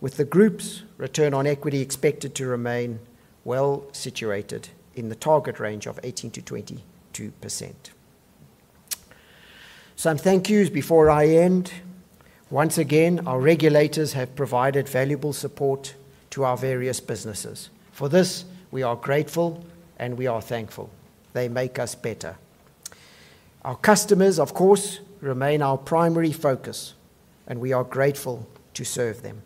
With the group's return on equity expected to remain well situated in the target range of 18%-22%. Some thank yous before I end. Once again, our regulators have provided valuable support to our various businesses. For this, we are grateful, and we are thankful. They make us better. Our customers, of course, remain our primary focus, and we are grateful to serve them.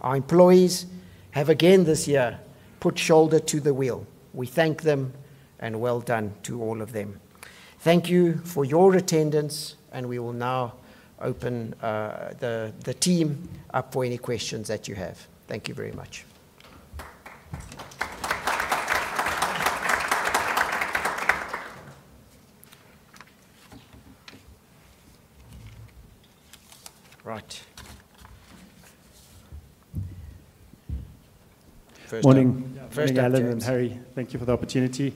Our employees have again, this year, put shoulder to the wheel. We thank them and well done to all of them. Thank you for your attendance, and we will now open the team up for any questions that you have. Thank you very much. Right. First Morning First thing, James. Morning, Alan and Harry. Thank you for the opportunity.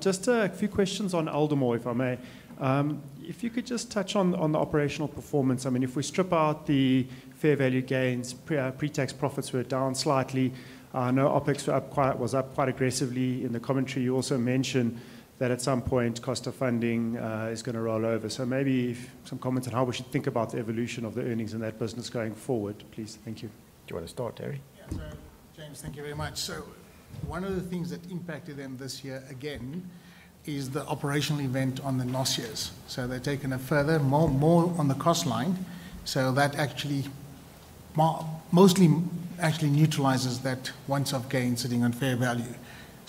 Just a few questions on Old Mutual, if I may. If you could just touch on the operational performance. I mean, if we strip out the fair value gains, pre-tax profits were down slightly. I know OpEx was up quite aggressively. In the commentary, you also mentioned that at some point, cost of funding is going to roll over. So maybe some comments on how we should think about the evolution of the earnings in that business going forward, please. Thank you. Do you want to start, Harry? So, James, thank you very much. So one of the things that impacted them this year, again, is the operational event on the Nostros. So they've taken a further more on the cost line, so that actually mostly actually neutralizes that once-off gain sitting on fair value.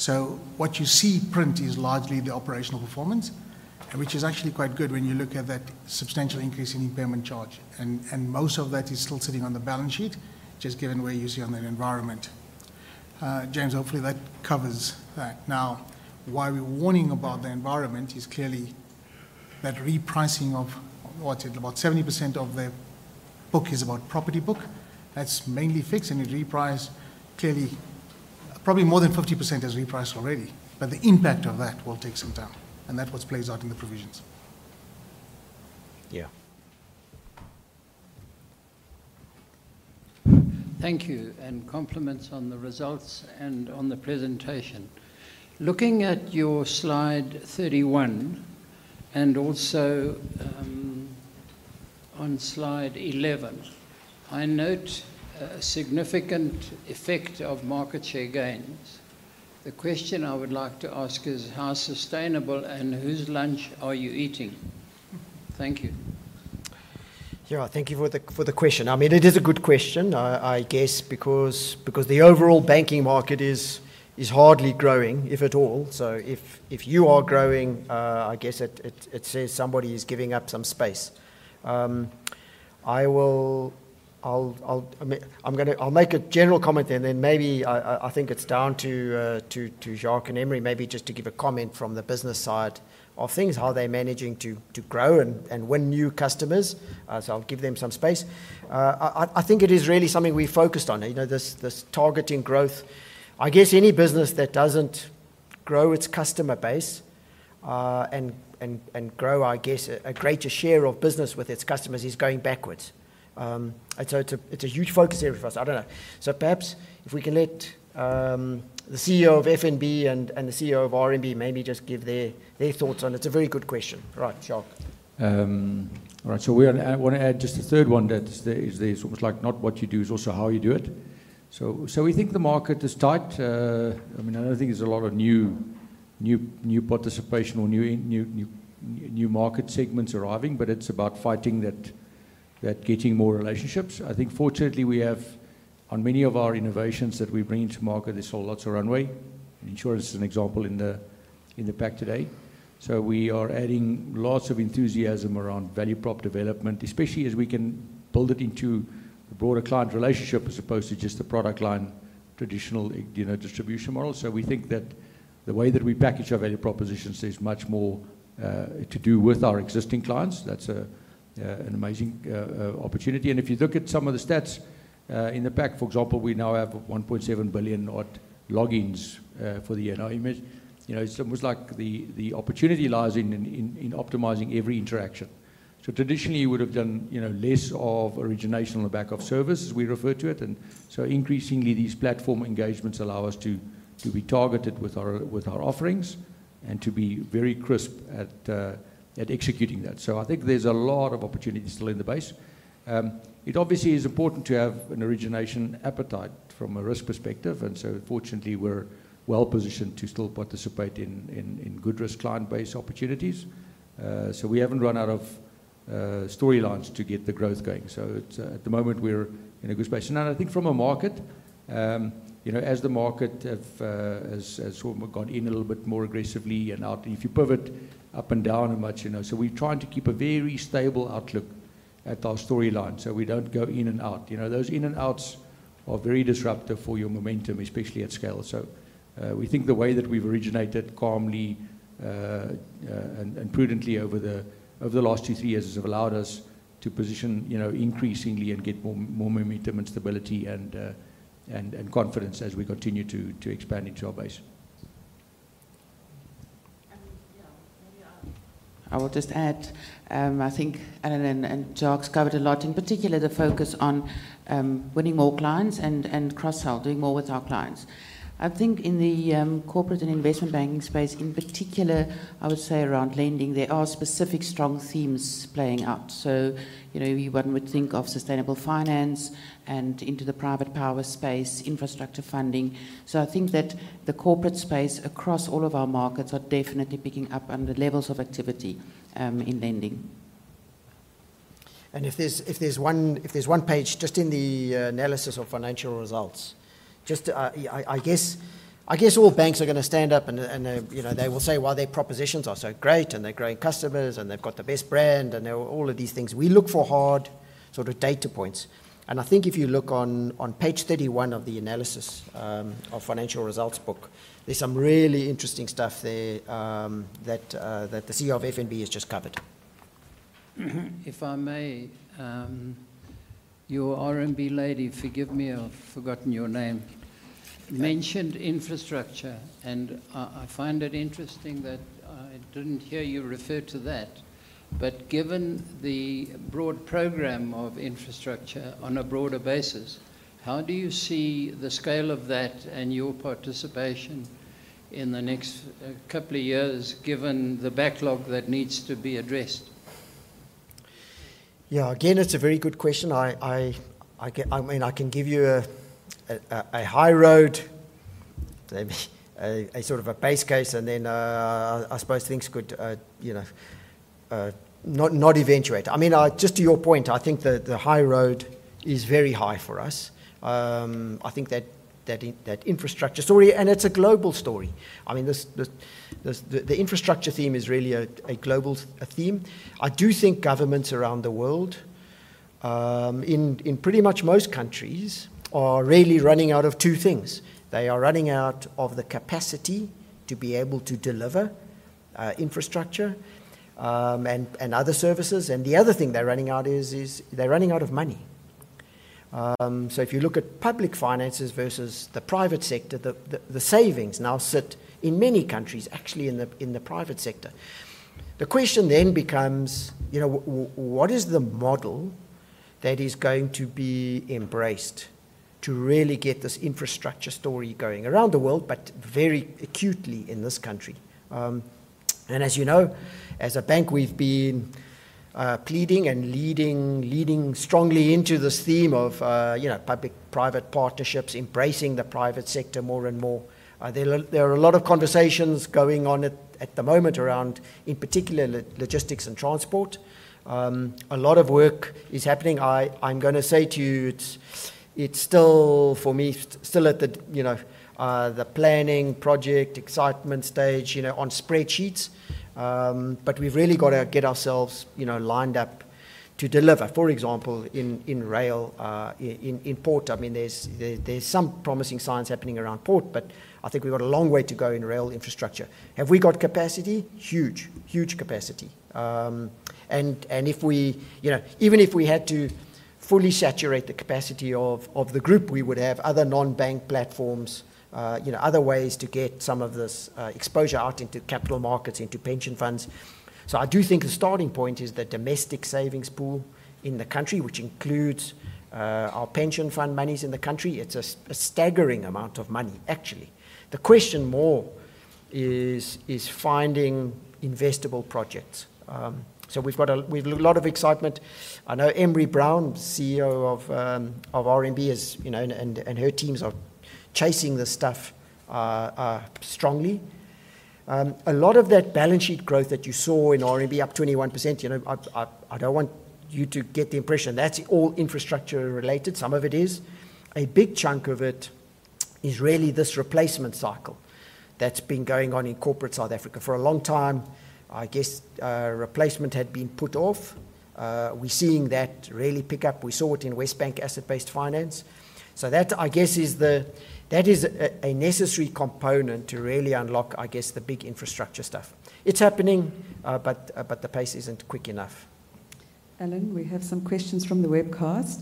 So what you see print is largely the operational performance, which is actually quite good when you look at that substantial increase in impairment charge, and most of that is still sitting on the balance sheet, just given where you see on that environment. James, hopefully that covers that. Now, why we're warning about the environment is clearly that repricing of what is it? About 70% of the book is about property book. That's mainly fixed, and it reprices clearly, probably more than 50% has repriced already, but the impact of that will take some time, and that's what plays out in the provisions. Thank you, and compliments on the results and on the presentation. Looking at your slide 31, and also, on slide 11, I note a significant effect of market share gains. The question I would like to ask is: How sustainable and whose lunch are you eating? Thank you. Thank you for the question. it is a good question, I guess, because the overall banking market is hardly growing, if at all. So if you are growing, I guess it says somebody is giving up some space. I'll make a general comment, and then maybe I think it's down to Jacques and Emrie, maybe just to give a comment from the business side of things, how they're managing to grow and win new customers. So I'll give them some space. I think it is really something we focused on,, this targeting growth. I guess any business that doesn't grow its customer base and grow a greater share of business with its customers is going backwards. So it's a huge focus area for us. I don't know. Perhaps if we can let the CEO of FNB and the CEO of RMB maybe just give their thoughts on it. It's a very good question. Right, Jacques. All right, so I want to add just a third one, that there is, there's almost like not what you do, it's also how you do it. So we think the market is tight. I mean, I don't think there's a lot of new participation or new market segments arriving, but it's about fighting that getting more relationships. I think fortunately, we have on many of our innovations that we bring into market, there's still lots of runway. Insurance is an example in the pack today. So we are adding lots of enthusiasm around value prop development, especially as we can build it into a broader client relationship as opposed to just a product line, traditional,, distribution model. So we think that the way that we package our value propositions is much more to do with our existing clients. That's an amazing opportunity. And if you look at some of the stats in the pack, for example, we now have 1.7 billion odd logins for the year. Now, imagine,, it's almost like the opportunity lies in optimizing every interaction. So traditionally, you would have done,, less of origination or back-office, as we refer to it, and so increasingly, these platform engagements allow us to be targeted with our offerings and to be very crisp at executing that. So I think there's a lot of opportunity still in the base. It obviously is important to have an origination appetite from a risk perspective, and so fortunately, we're well positioned to still participate in good risk client base opportunities. So we haven't run out of storylines to get the growth going. So at the moment, we're in a good space. And I think from a market,, as the market has sort of gone in a little bit more aggressively and out, if you pivot up and down and much,. So we're trying to keep a very stable outlook at our storyline, so we don't go in and out., those in and outs are very disruptive for your momentum, especially at scale. So, we think the way that we've originated calmly and prudently over the last 2-3 years has allowed us to position,, increasingly and get more momentum and stability and confidence as we continue to expand into our base. Maybe I, I will just add, I think Alan and, and Jacques covered a lot, in particular, the focus on, winning more clients and, and cross-sell, doing more with our clients. I think in the, corporate and investment banking space, in particular, I would say around lending, there are specific strong themes playing out. So,, one would think of sustainable finance and into the private power space, infrastructure funding. So I think that the corporate space across all of our markets are definitely picking up on the levels of activity, in lending. If there's one page just in the analysis of financial results, just, I guess all banks are going to stand up and,, they will say, well, their propositions are so great, and they're growing customers, and they've got the best brand, and all of these things. We look for hard sort of data points, and I think if you look on page 31 of the analysis of financial results book, there's some really interesting stuff there that the CEO of FNB has just covered. If I may, your RMB lady, forgive me, I've forgotten your name- mentioned infrastructure, and I find it interesting that I didn't hear you refer to that. But given the broad program of infrastructure on a broader basis, how do you see the scale of that and your participation in the next couple of years, given the backlog that needs to be addressed? Again, it's a very good question. I can I mean, I can give you a high road, maybe a sort of a base case, and then, I suppose things could,, not eventuate. I mean, just to your point, I think the high road is very high for us. I think that infrastructure story, and it's a global story. I mean, this, the infrastructure theme is really a global theme. I do think governments around the world, in pretty much most countries, are really running out of two things. They are running out of the capacity to be able to deliver, infrastructure, and other services, and the other thing they're running out of is money. So if you look at public finances versus the private sector, the savings now sit in many countries, actually in the private sector. The question then becomes,, what is the model that is going to be embraced to really get this infrastructure story going around the world, but very acutely in this country. And as, as a bank, we've been pleading and leading, leading strongly into this theme of,, public-private partnerships, embracing the private sector more and more. There are a lot of conversations going on at the moment around, in particular, logistics and transport. A lot of work is happening. I'm gonna say to you, it's still, for me, still at the,, the planning project excitement stage,, on spreadsheets. But we've really got to get ourselves,, lined up to deliver. For example, in rail, in port. I mean, there's some promising signs happening around port, but I think we've got a long way to go in rail infrastructure. Have we got capacity? Huge. Huge capacity. And if we, even if we had to fully saturate the capacity of the group, we would have other non-bank platforms, , other ways to get some of this exposure out into capital markets, into pension funds. So I do think the starting point is the domestic savings pool in the country, which includes our pension fund monies in the country. It's a staggering amount of money, actually. The question more is finding investable projects. So we've got a a lot of excitement. I know Emrie Brown, CEO of RMB, is, and her teams are chasing this stuff strongly. A lot of that balance sheet growth that you saw in RMB, up 21%,, I don't want you to get the impression that's all infrastructure related. Some of it is. A big chunk of it is really this replacement cycle that's been going on in corporate South Africa. For a long time, I guess, replacement had been put off. We're seeing that really pick up. We saw it in WesBank asset-based finance. So that, I guess, is the-- that is a necessary component to really unlock, I guess, the big infrastructure stuff. It's happening, but the pace isn't quick enough. Alan, we have some questions from the webcast.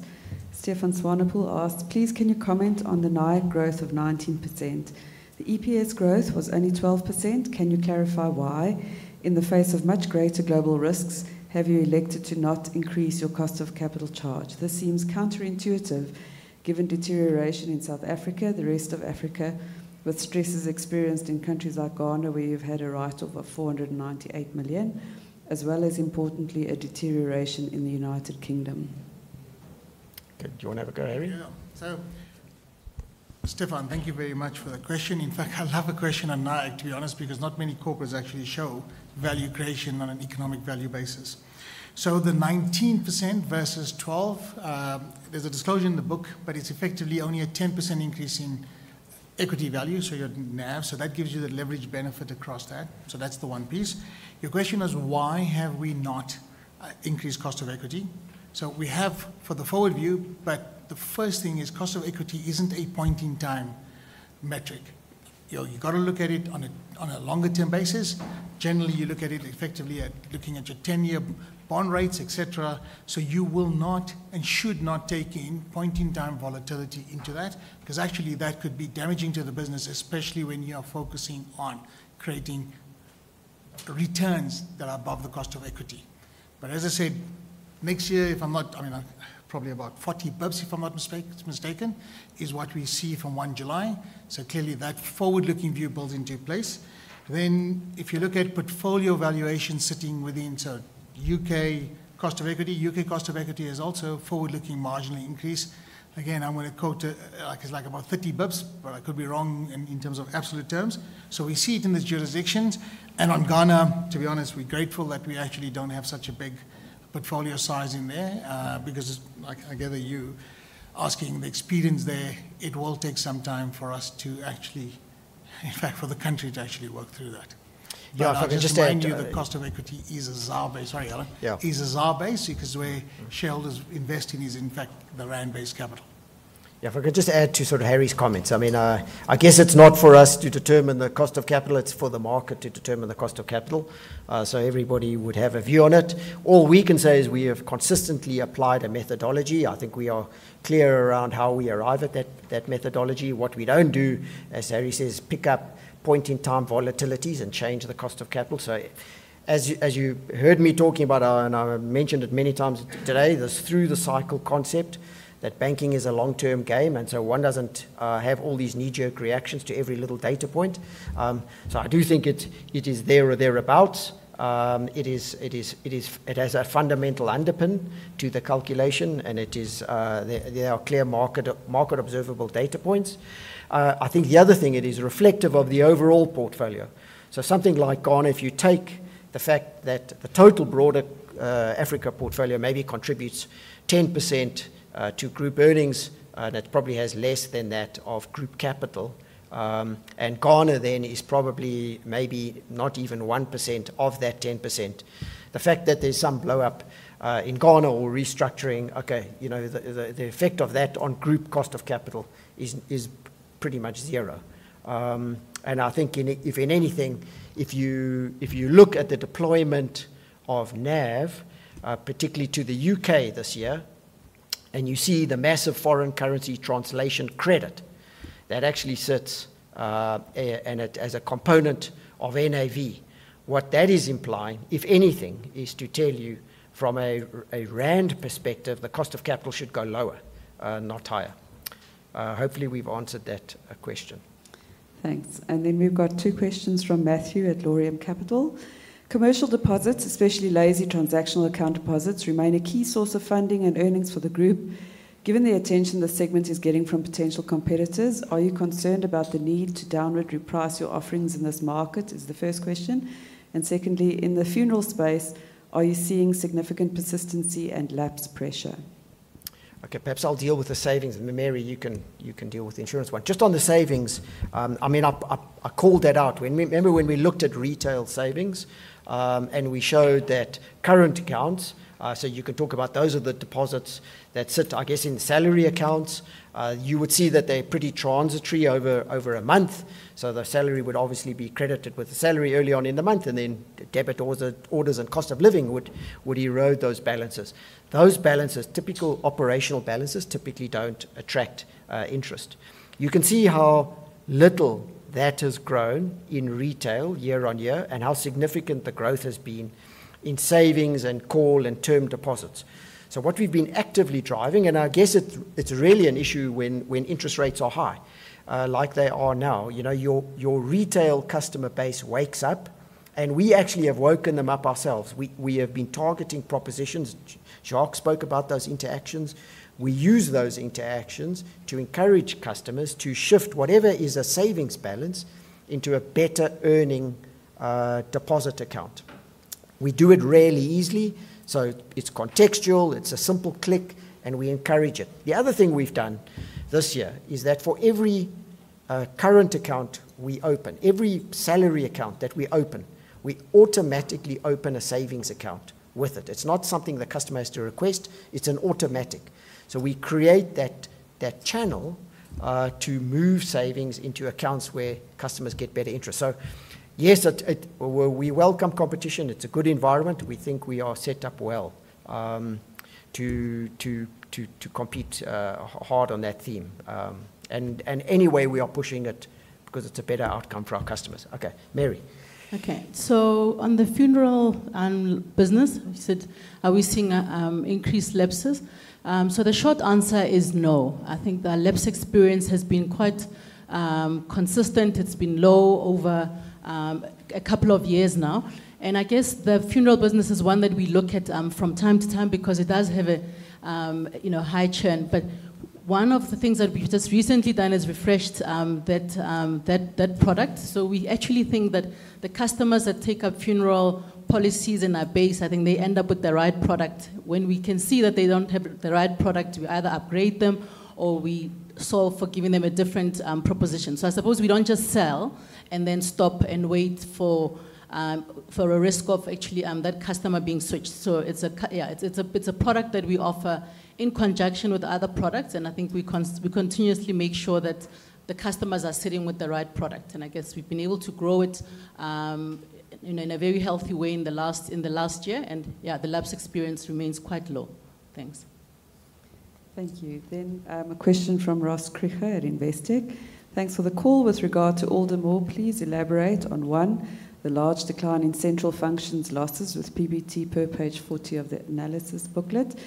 Stefan Swanepoel asked: "Please, can you comment on the NII growth of 19%? The EPS growth was only 12%. Can you clarify why, in the face of much greater global risks, have you elected to not increase your cost of capital charge? This seems counterintuitive, given deterioration in South Africa, the rest of Africa, with stresses experienced in countries like Ghana, where you've had a write-off of 498 million, as well as, importantly, a deterioration in the United Kingdom. Okay, do you want to have a go, Harry? So Stefan, thank you very much for the question. In fact, I love the question on NII, to be honest, because not many corporates actually show value creation on an economic value basis. So the 19% versus 12, there's a disclosure in the book, but it's effectively only a 10% increase in equity value, so your NAV. So that's the one piece. Your question was, why have we not increased cost of equity? So we have for the forward view, but the first thing is cost of equity isn't a point-in-time metric., you've got to look at it on a, on a longer-term basis. Generally, you look at it effectively at looking at your 10-year bond rates, et cetera. So you will not, and should not, take in point-in-time volatility into that, 'cause actually that could be damaging to the business, especially when you are focusing on creating returns that are above the cost of equity. But as I said, next year, if I'm not I mean, probably about 40 bips, if I'm not mistaken, is what we see from 1 July. So clearly, that forward-looking view builds into place. Then if you look at portfolio valuation sitting within, so UK cost of equity. UK cost of equity is also a forward-looking marginal increase. Again, I'm going to quote, like, it's like about 30 bips, but I could be wrong in, in terms of absolute terms. So we see it in the jurisdictions. On Ghana, to be honest, we're grateful that we actually don't have such a big portfolio size in there, because like I gather you asking, the experience there, it will take some time for us to actually in fact, for the country to actually work through that. if I could just add I'll just remind you, the cost of equity is a ZAR base. Sorry, Alan. is a ZAR base because the way shareholders invest in is, in fact, the rand-based capital. if I could just add to sort of Harry's comments. I mean, I guess it's not for us to determine the cost of capital. It's for the market to determine the cost of capital. So everybody would have a view on it. All we can say is we have consistently applied a methodology. I think we are clear around how we arrive at that methodology. What we don't do, as Harry says, pick up point-in-time volatilities and change the cost of capital. So as you heard me talking about, and I mentioned it many times today, this through-the-cycle concept, that banking is a long-term game, and so one doesn't have all these knee-jerk reactions to every little data point. So I do think it is there or thereabout. It is, it is, it is It has a fundamental underpin to the calculation, and it is, there are clear market observable data points. I think the other thing, it is reflective of the overall portfolio. So something like Ghana, if you take the fact that the total broader Africa portfolio maybe contributes 10%, to group earnings, that probably has less than that of group capital. And Ghana then is probably, maybe not even 1% of that 10%. The fact that there's some blowup, in Ghana or restructuring, okay,, the, the, the effect of that on group cost of capital is, pretty much zero. And I think in, if in anything, if you, if you look at the deployment of NAV, particularly to the UK this year- You see the massive foreign currency translation credit that actually sits, and it, as a component of NAV. What that is implying, if anything, is to tell you from a Rand perspective, the cost of capital should go lower, not higher. Hopefully, we've answered that question. Thanks. And then we've got two questions from Matthew at Laurium Capital: "Commercial deposits, especially lazy transactional account deposits, remain a key source of funding and earnings for the group. Given the attention the segment is getting from potential competitors, are you concerned about the need to downward reprice your offerings in this market?" Is the first question. And secondly: "In the funeral space, are you seeing significant persistency and lapse pressure? Okay, perhaps I'll deal with the savings, and then, Mary, you can deal with the insurance one. Just on the savings, I mean, I called that out. Remember when we looked at retail savings, and we showed that current accounts, so you can talk about those are the deposits that sit, I guess, in salary accounts. You would see that they're pretty transitory over a month, so the salary would obviously be credited with the salary early on in the month, and then debit orders and cost of living would erode those balances. Those balances, typical operational balances typically don't attract interest. You can see how little that has grown in retail year-over-year, and how significant the growth has been in savings and call and term deposits. So what we've been actively driving, and I guess it, it's really an issue when interest rates are high, like they are now., your retail customer base wakes up, and we actually have woken them up ourselves. We have been targeting propositions. Jacques spoke about those interactions. We use those interactions to encourage customers to shift whatever is a savings balance into a better-earning deposit account. We do it really easily, so it's contextual, it's a simple click, and we encourage it. The other thing we've done this year is that for every current account we open, every salary account that we open, we automatically open a savings account with it. It's not something the customer has to request. It's an automatic. So we create that channel to move savings into accounts where customers get better interest. So yes, we welcome competition. It's a good environment. We think we are set up well to compete hard on that theme. And anyway, we are pushing it because it's a better outcome for our customers. Okay, Mary. Okay. So on the funeral business, you said, are we seeing increased lapses? So the short answer is no. I think the lapse experience has been quite consistent. It's been low over a couple of years now, and I guess the funeral business is one that we look at from time to time because it does have a , high churn. But one of the things that we've just recently done is refreshed that product. So we actually think that the customers that take up funeral policies in our base, I think they end up with the right product. When we can see that they don't have the right product, we either upgrade them or we solve for giving them a different proposition. So I suTppose we don't just sell and then stop and wait for a risk of actually that customer being switched. So it's it's a product that we offer in conjunction with other products, and I think we continuously make sure that the customers are sitting with the right product. And I guess we've been able to grow it in a very healthy way in the last year, and The lapse experience remains quite low. Thanks. Thank you. Then, a question from Ross Kritzinger at Investec: "Thanks for the call. With regard to Old Mutual, please elaborate on, one, the large decline in central functions losses with PBT per page 40 of the analysis booklet,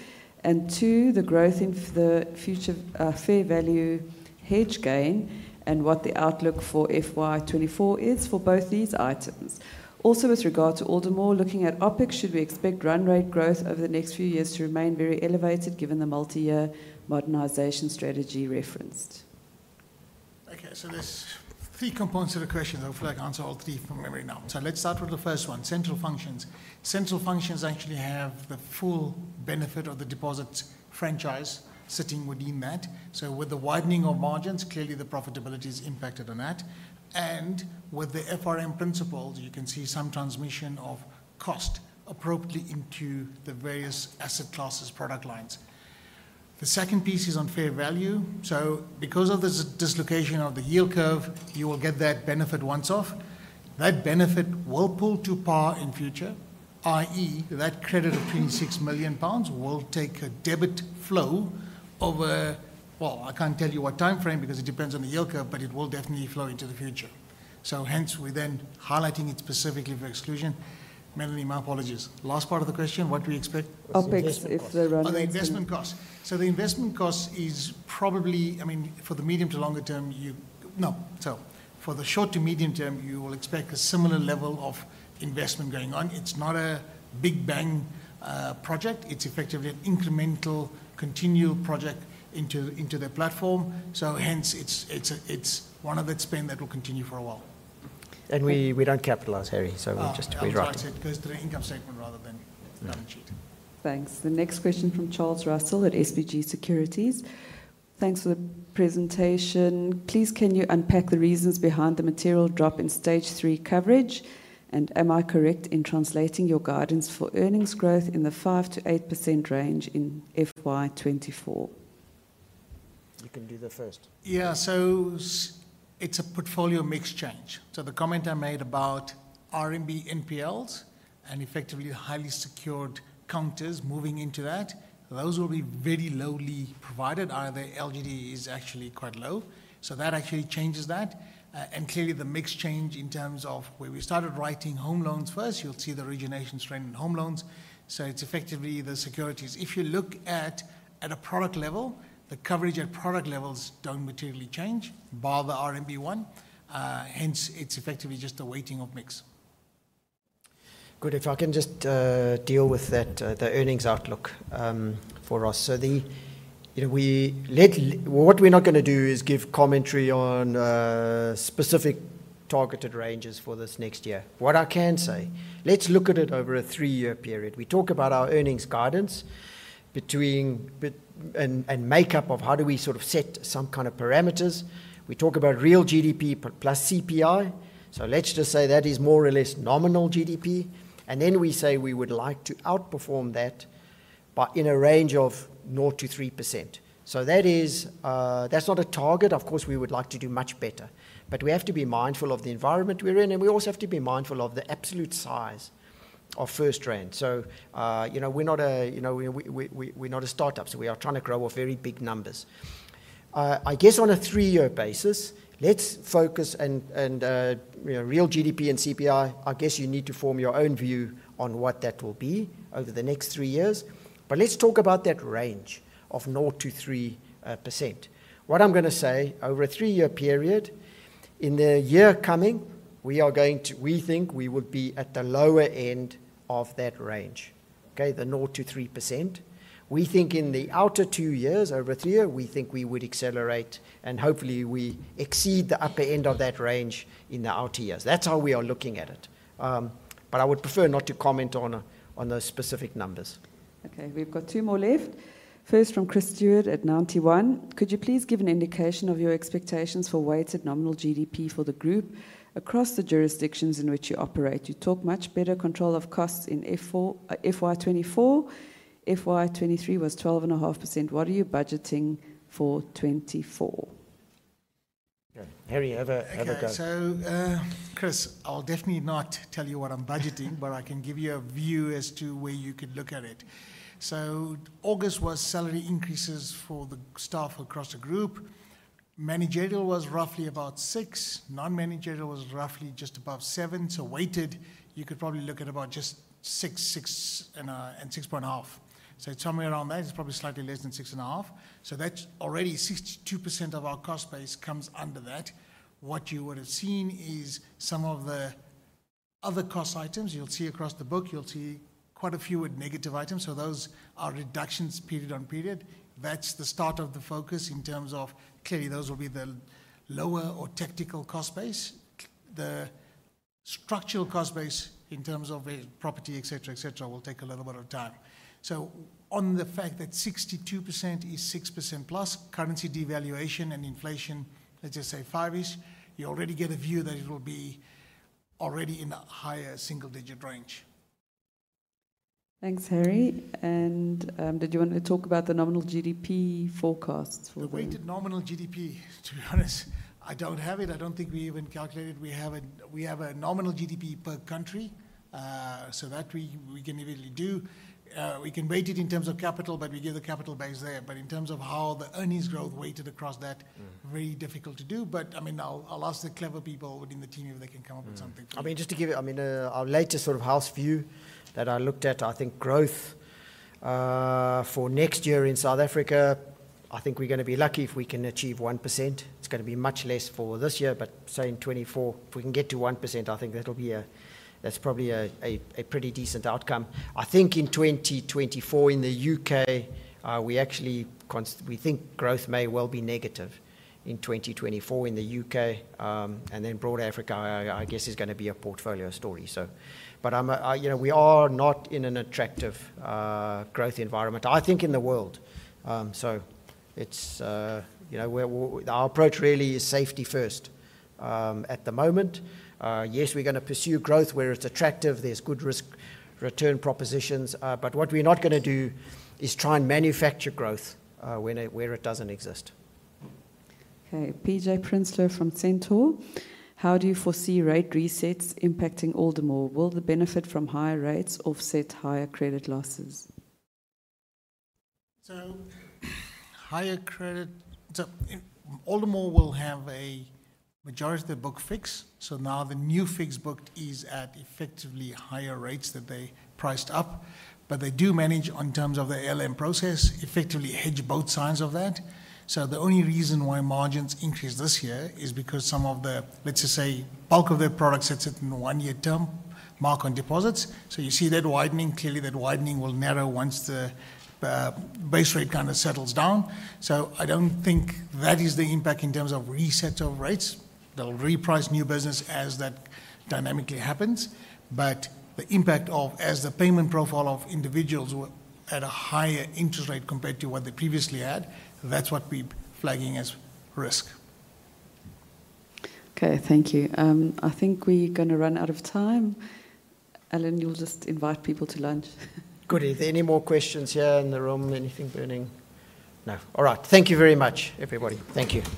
and two, the growth in the future, fair value hedge gain, and what the outlook for FY 2024 is for both these items. Also, with regard to Old Mutual, looking at OpEx, should we expect run rate growth over the next few years to remain very elevated, given the multi-year modernization strategy referenced? Okay, so there's 3 components to the question. Hopefully, I can answer all 3 from memory now. So let's start with the first one, central functions. Central functions actually have the full benefit of the deposits franchise sitting within that. So with the widening of margins, clearly, the profitability is impacted on that. And with the FRM principles, you can see some transmission of cost appropriately into the various asset classes product lines. The second piece is on fair value. So because of this dislocation of the yield curve, you will get that benefit once off. That benefit will pull to par in future, i.e., that credit of 26 million pounds will take a debit flow over Well, I can't tell you what time frame, because it depends on the yield curve, but it will definitely flow into the future. So hence, we're then highlighting it specifically for exclusion. Melanie, my apologies. Last part of the question, what we expect? OpEx, if the run rate Oh, the investment cost. So the investment cost is probably, I mean, for the medium to longer term. So for the short to medium term, you will expect a similar level of investment going on. It's not a big bang project. It's effectively an incremental, continual project into, into the platform. So hence, it's, it's a, it's one of that spend that will continue for a while. And we don't capitalize, Harry, so we just- Ah, that's right. It goes to the income statement rather than the balance sheet. Thanks. The next question from Charles Russell at SBG Securities: "Thanks for the presentation. Please, can you unpack the reasons behind the material drop in Stage 3 coverage? And am I correct in translating your guidance for earnings growth in the 5%-8% range in FY2024? you can do the first. So it's a portfolio mix change. So the comment I made about RMB NPLs and effectively highly secured counters moving into that, those will be very lowly provided, the LGD is actually quite low. So that actually changes that. And clearly, the mix change in terms of where we started writing home loans first, you'll see the origination strength in home loans. So it's effectively the securities. If you look at a product level, the coverage at product levels don't materially change, bar the RMB one. Hence, it's effectively just a weighting of mix. Good. If I can just deal with that, the earnings outlook for us. So the, we let-- what we're not gonna do is give commentary on specific targeted ranges for this next year. What I can say, let's look at it over a three-year period. We talk about our earnings guidance between b- and, and makeup of how do we sort of set some kind of parameters. We talk about real GDP per plus CPI, so let's just say that is more or less nominal GDP. And then we say we would like to outperform that by in a range of 0%-3%. So that is, that's not a target. Of course, we would like to do much better, but we have to be mindful of the environment we're in, and we also have to be mindful of the absolute size of FirstRand. So,, we're not a,, we're not a start-up, so we are trying to grow off very big numbers. I guess on a three-year basis, let's focus and,, real GDP and CPI, I guess you need to form your own view on what that will be over the next three years. But let's talk about that range of 0%-3%. What I'm gonna say, over a three-year period, in the year coming, we are going to We think we would be at the lower end of that range, okay? The 0%-3%. We think in the outer 2 years, over 3 year, we think we would accelerate, and hopefully, we exceed the upper end of that range in the outer years. That's how we are looking at it. But I would prefer not to comment on those specific numbers. Okay, we've got two more left. First, from Chris Stewart at Ninety One: Could you please give an indication of your expectations for weighted nominal GDP for the group across the jurisdictions in which you operate? You talk much better control of costs in F4, FY 2024. FY 2023 was 12.5%. What are you budgeting for 2024? Okay. Harry, have a go. Okay, so, Chris, I'll definitely not tell you what I'm budgeting, but I can give you a view as to where you could look at it. So August was salary increases for the staff across the group. Managerial was roughly about 6, non-managerial was roughly just above 7, so weighted, you could probably look at about just 6.6, and 6.5. So somewhere around that, it's probably slightly less than 6.5. So that's already 62% of our cost base comes under that. What you would have seen is some of the other cost items. You'll see across the book, you'll see quite a few with negative items, so those are reductions period-on-period. That's the start of the focus in terms of. Clearly, those will be the lower or tactical cost base. The structural cost base in terms of property, et cetera, et cetera, will take a little bit of time. So on the fact that 62% is 6% plus, currency devaluation and inflation, let's just say 5-ish, you already get a view that it will be already in the higher single-digit range. Thanks, Harry. Did you want to talk about the nominal GDP forecasts for the- The weighted nominal GDP, to be honest, I don't have it. I don't think we even calculate it. We have a nominal GDP per country, so that we can easily do. We can weight it in terms of capital, but we give the capital base there. But in terms of how the earnings growth weighted across that- Mm very difficult to do, but, I mean, I'll ask the clever people within the team if they can come up with something. I mean, just to give you, I mean, our latest sort of house view that I looked at, I think growth, for next year in South Africa, I think we're gonna be lucky if we can achieve 1%. It's gonna be much less for this year, but say in 2024, if we can get to 1%, I think that'll be a That's probably a, a, a pretty decent outcome. I think in 2024 in the U.K., we actually we think growth may well be negative in 2024 in the U.K. And then broader Africa, I, I guess, is gonna be a portfolio story. So but I'm,, we are not in an attractive, growth environment, I think, in the world. So it's,, we're, our approach really is safety first. At the moment, yes, we're gonna pursue growth where it's attractive, there's good risk-return propositions. But what we're not gonna do is try and manufacture growth where it doesn't exist. Okay, PJ Prinsloo from Centaur: How do you foresee rate resets impacting Old Mutual? Will the benefit from higher rates offset higher credit losses? So Old Mutual will have a majority of the book fixed, so now the new fixed book is at effectively higher rates that they priced up. But they do manage, in terms of the ALM process, effectively hedge both sides of that. So the only reason why margins increased this year is because some of the, let's just say, bulk of their products sits in the one-year term mark on deposits. So you see that widening. Clearly, that widening will narrow once the base rate kind of settles down. So I don't think that is the impact in terms of reset of rates. They'll reprice new business as that dynamically happens. But the impact of, as the payment profile of individuals at a higher interest rate compared to what they previously had, that's what we're flagging as risk. Okay, thank you. I think we're gonna run out of time. Alan, you'll just invite people to lunch. Good. Are there any more questions here in the room? Anything burning? No. All right. Thank you very much, everybody. Thank you.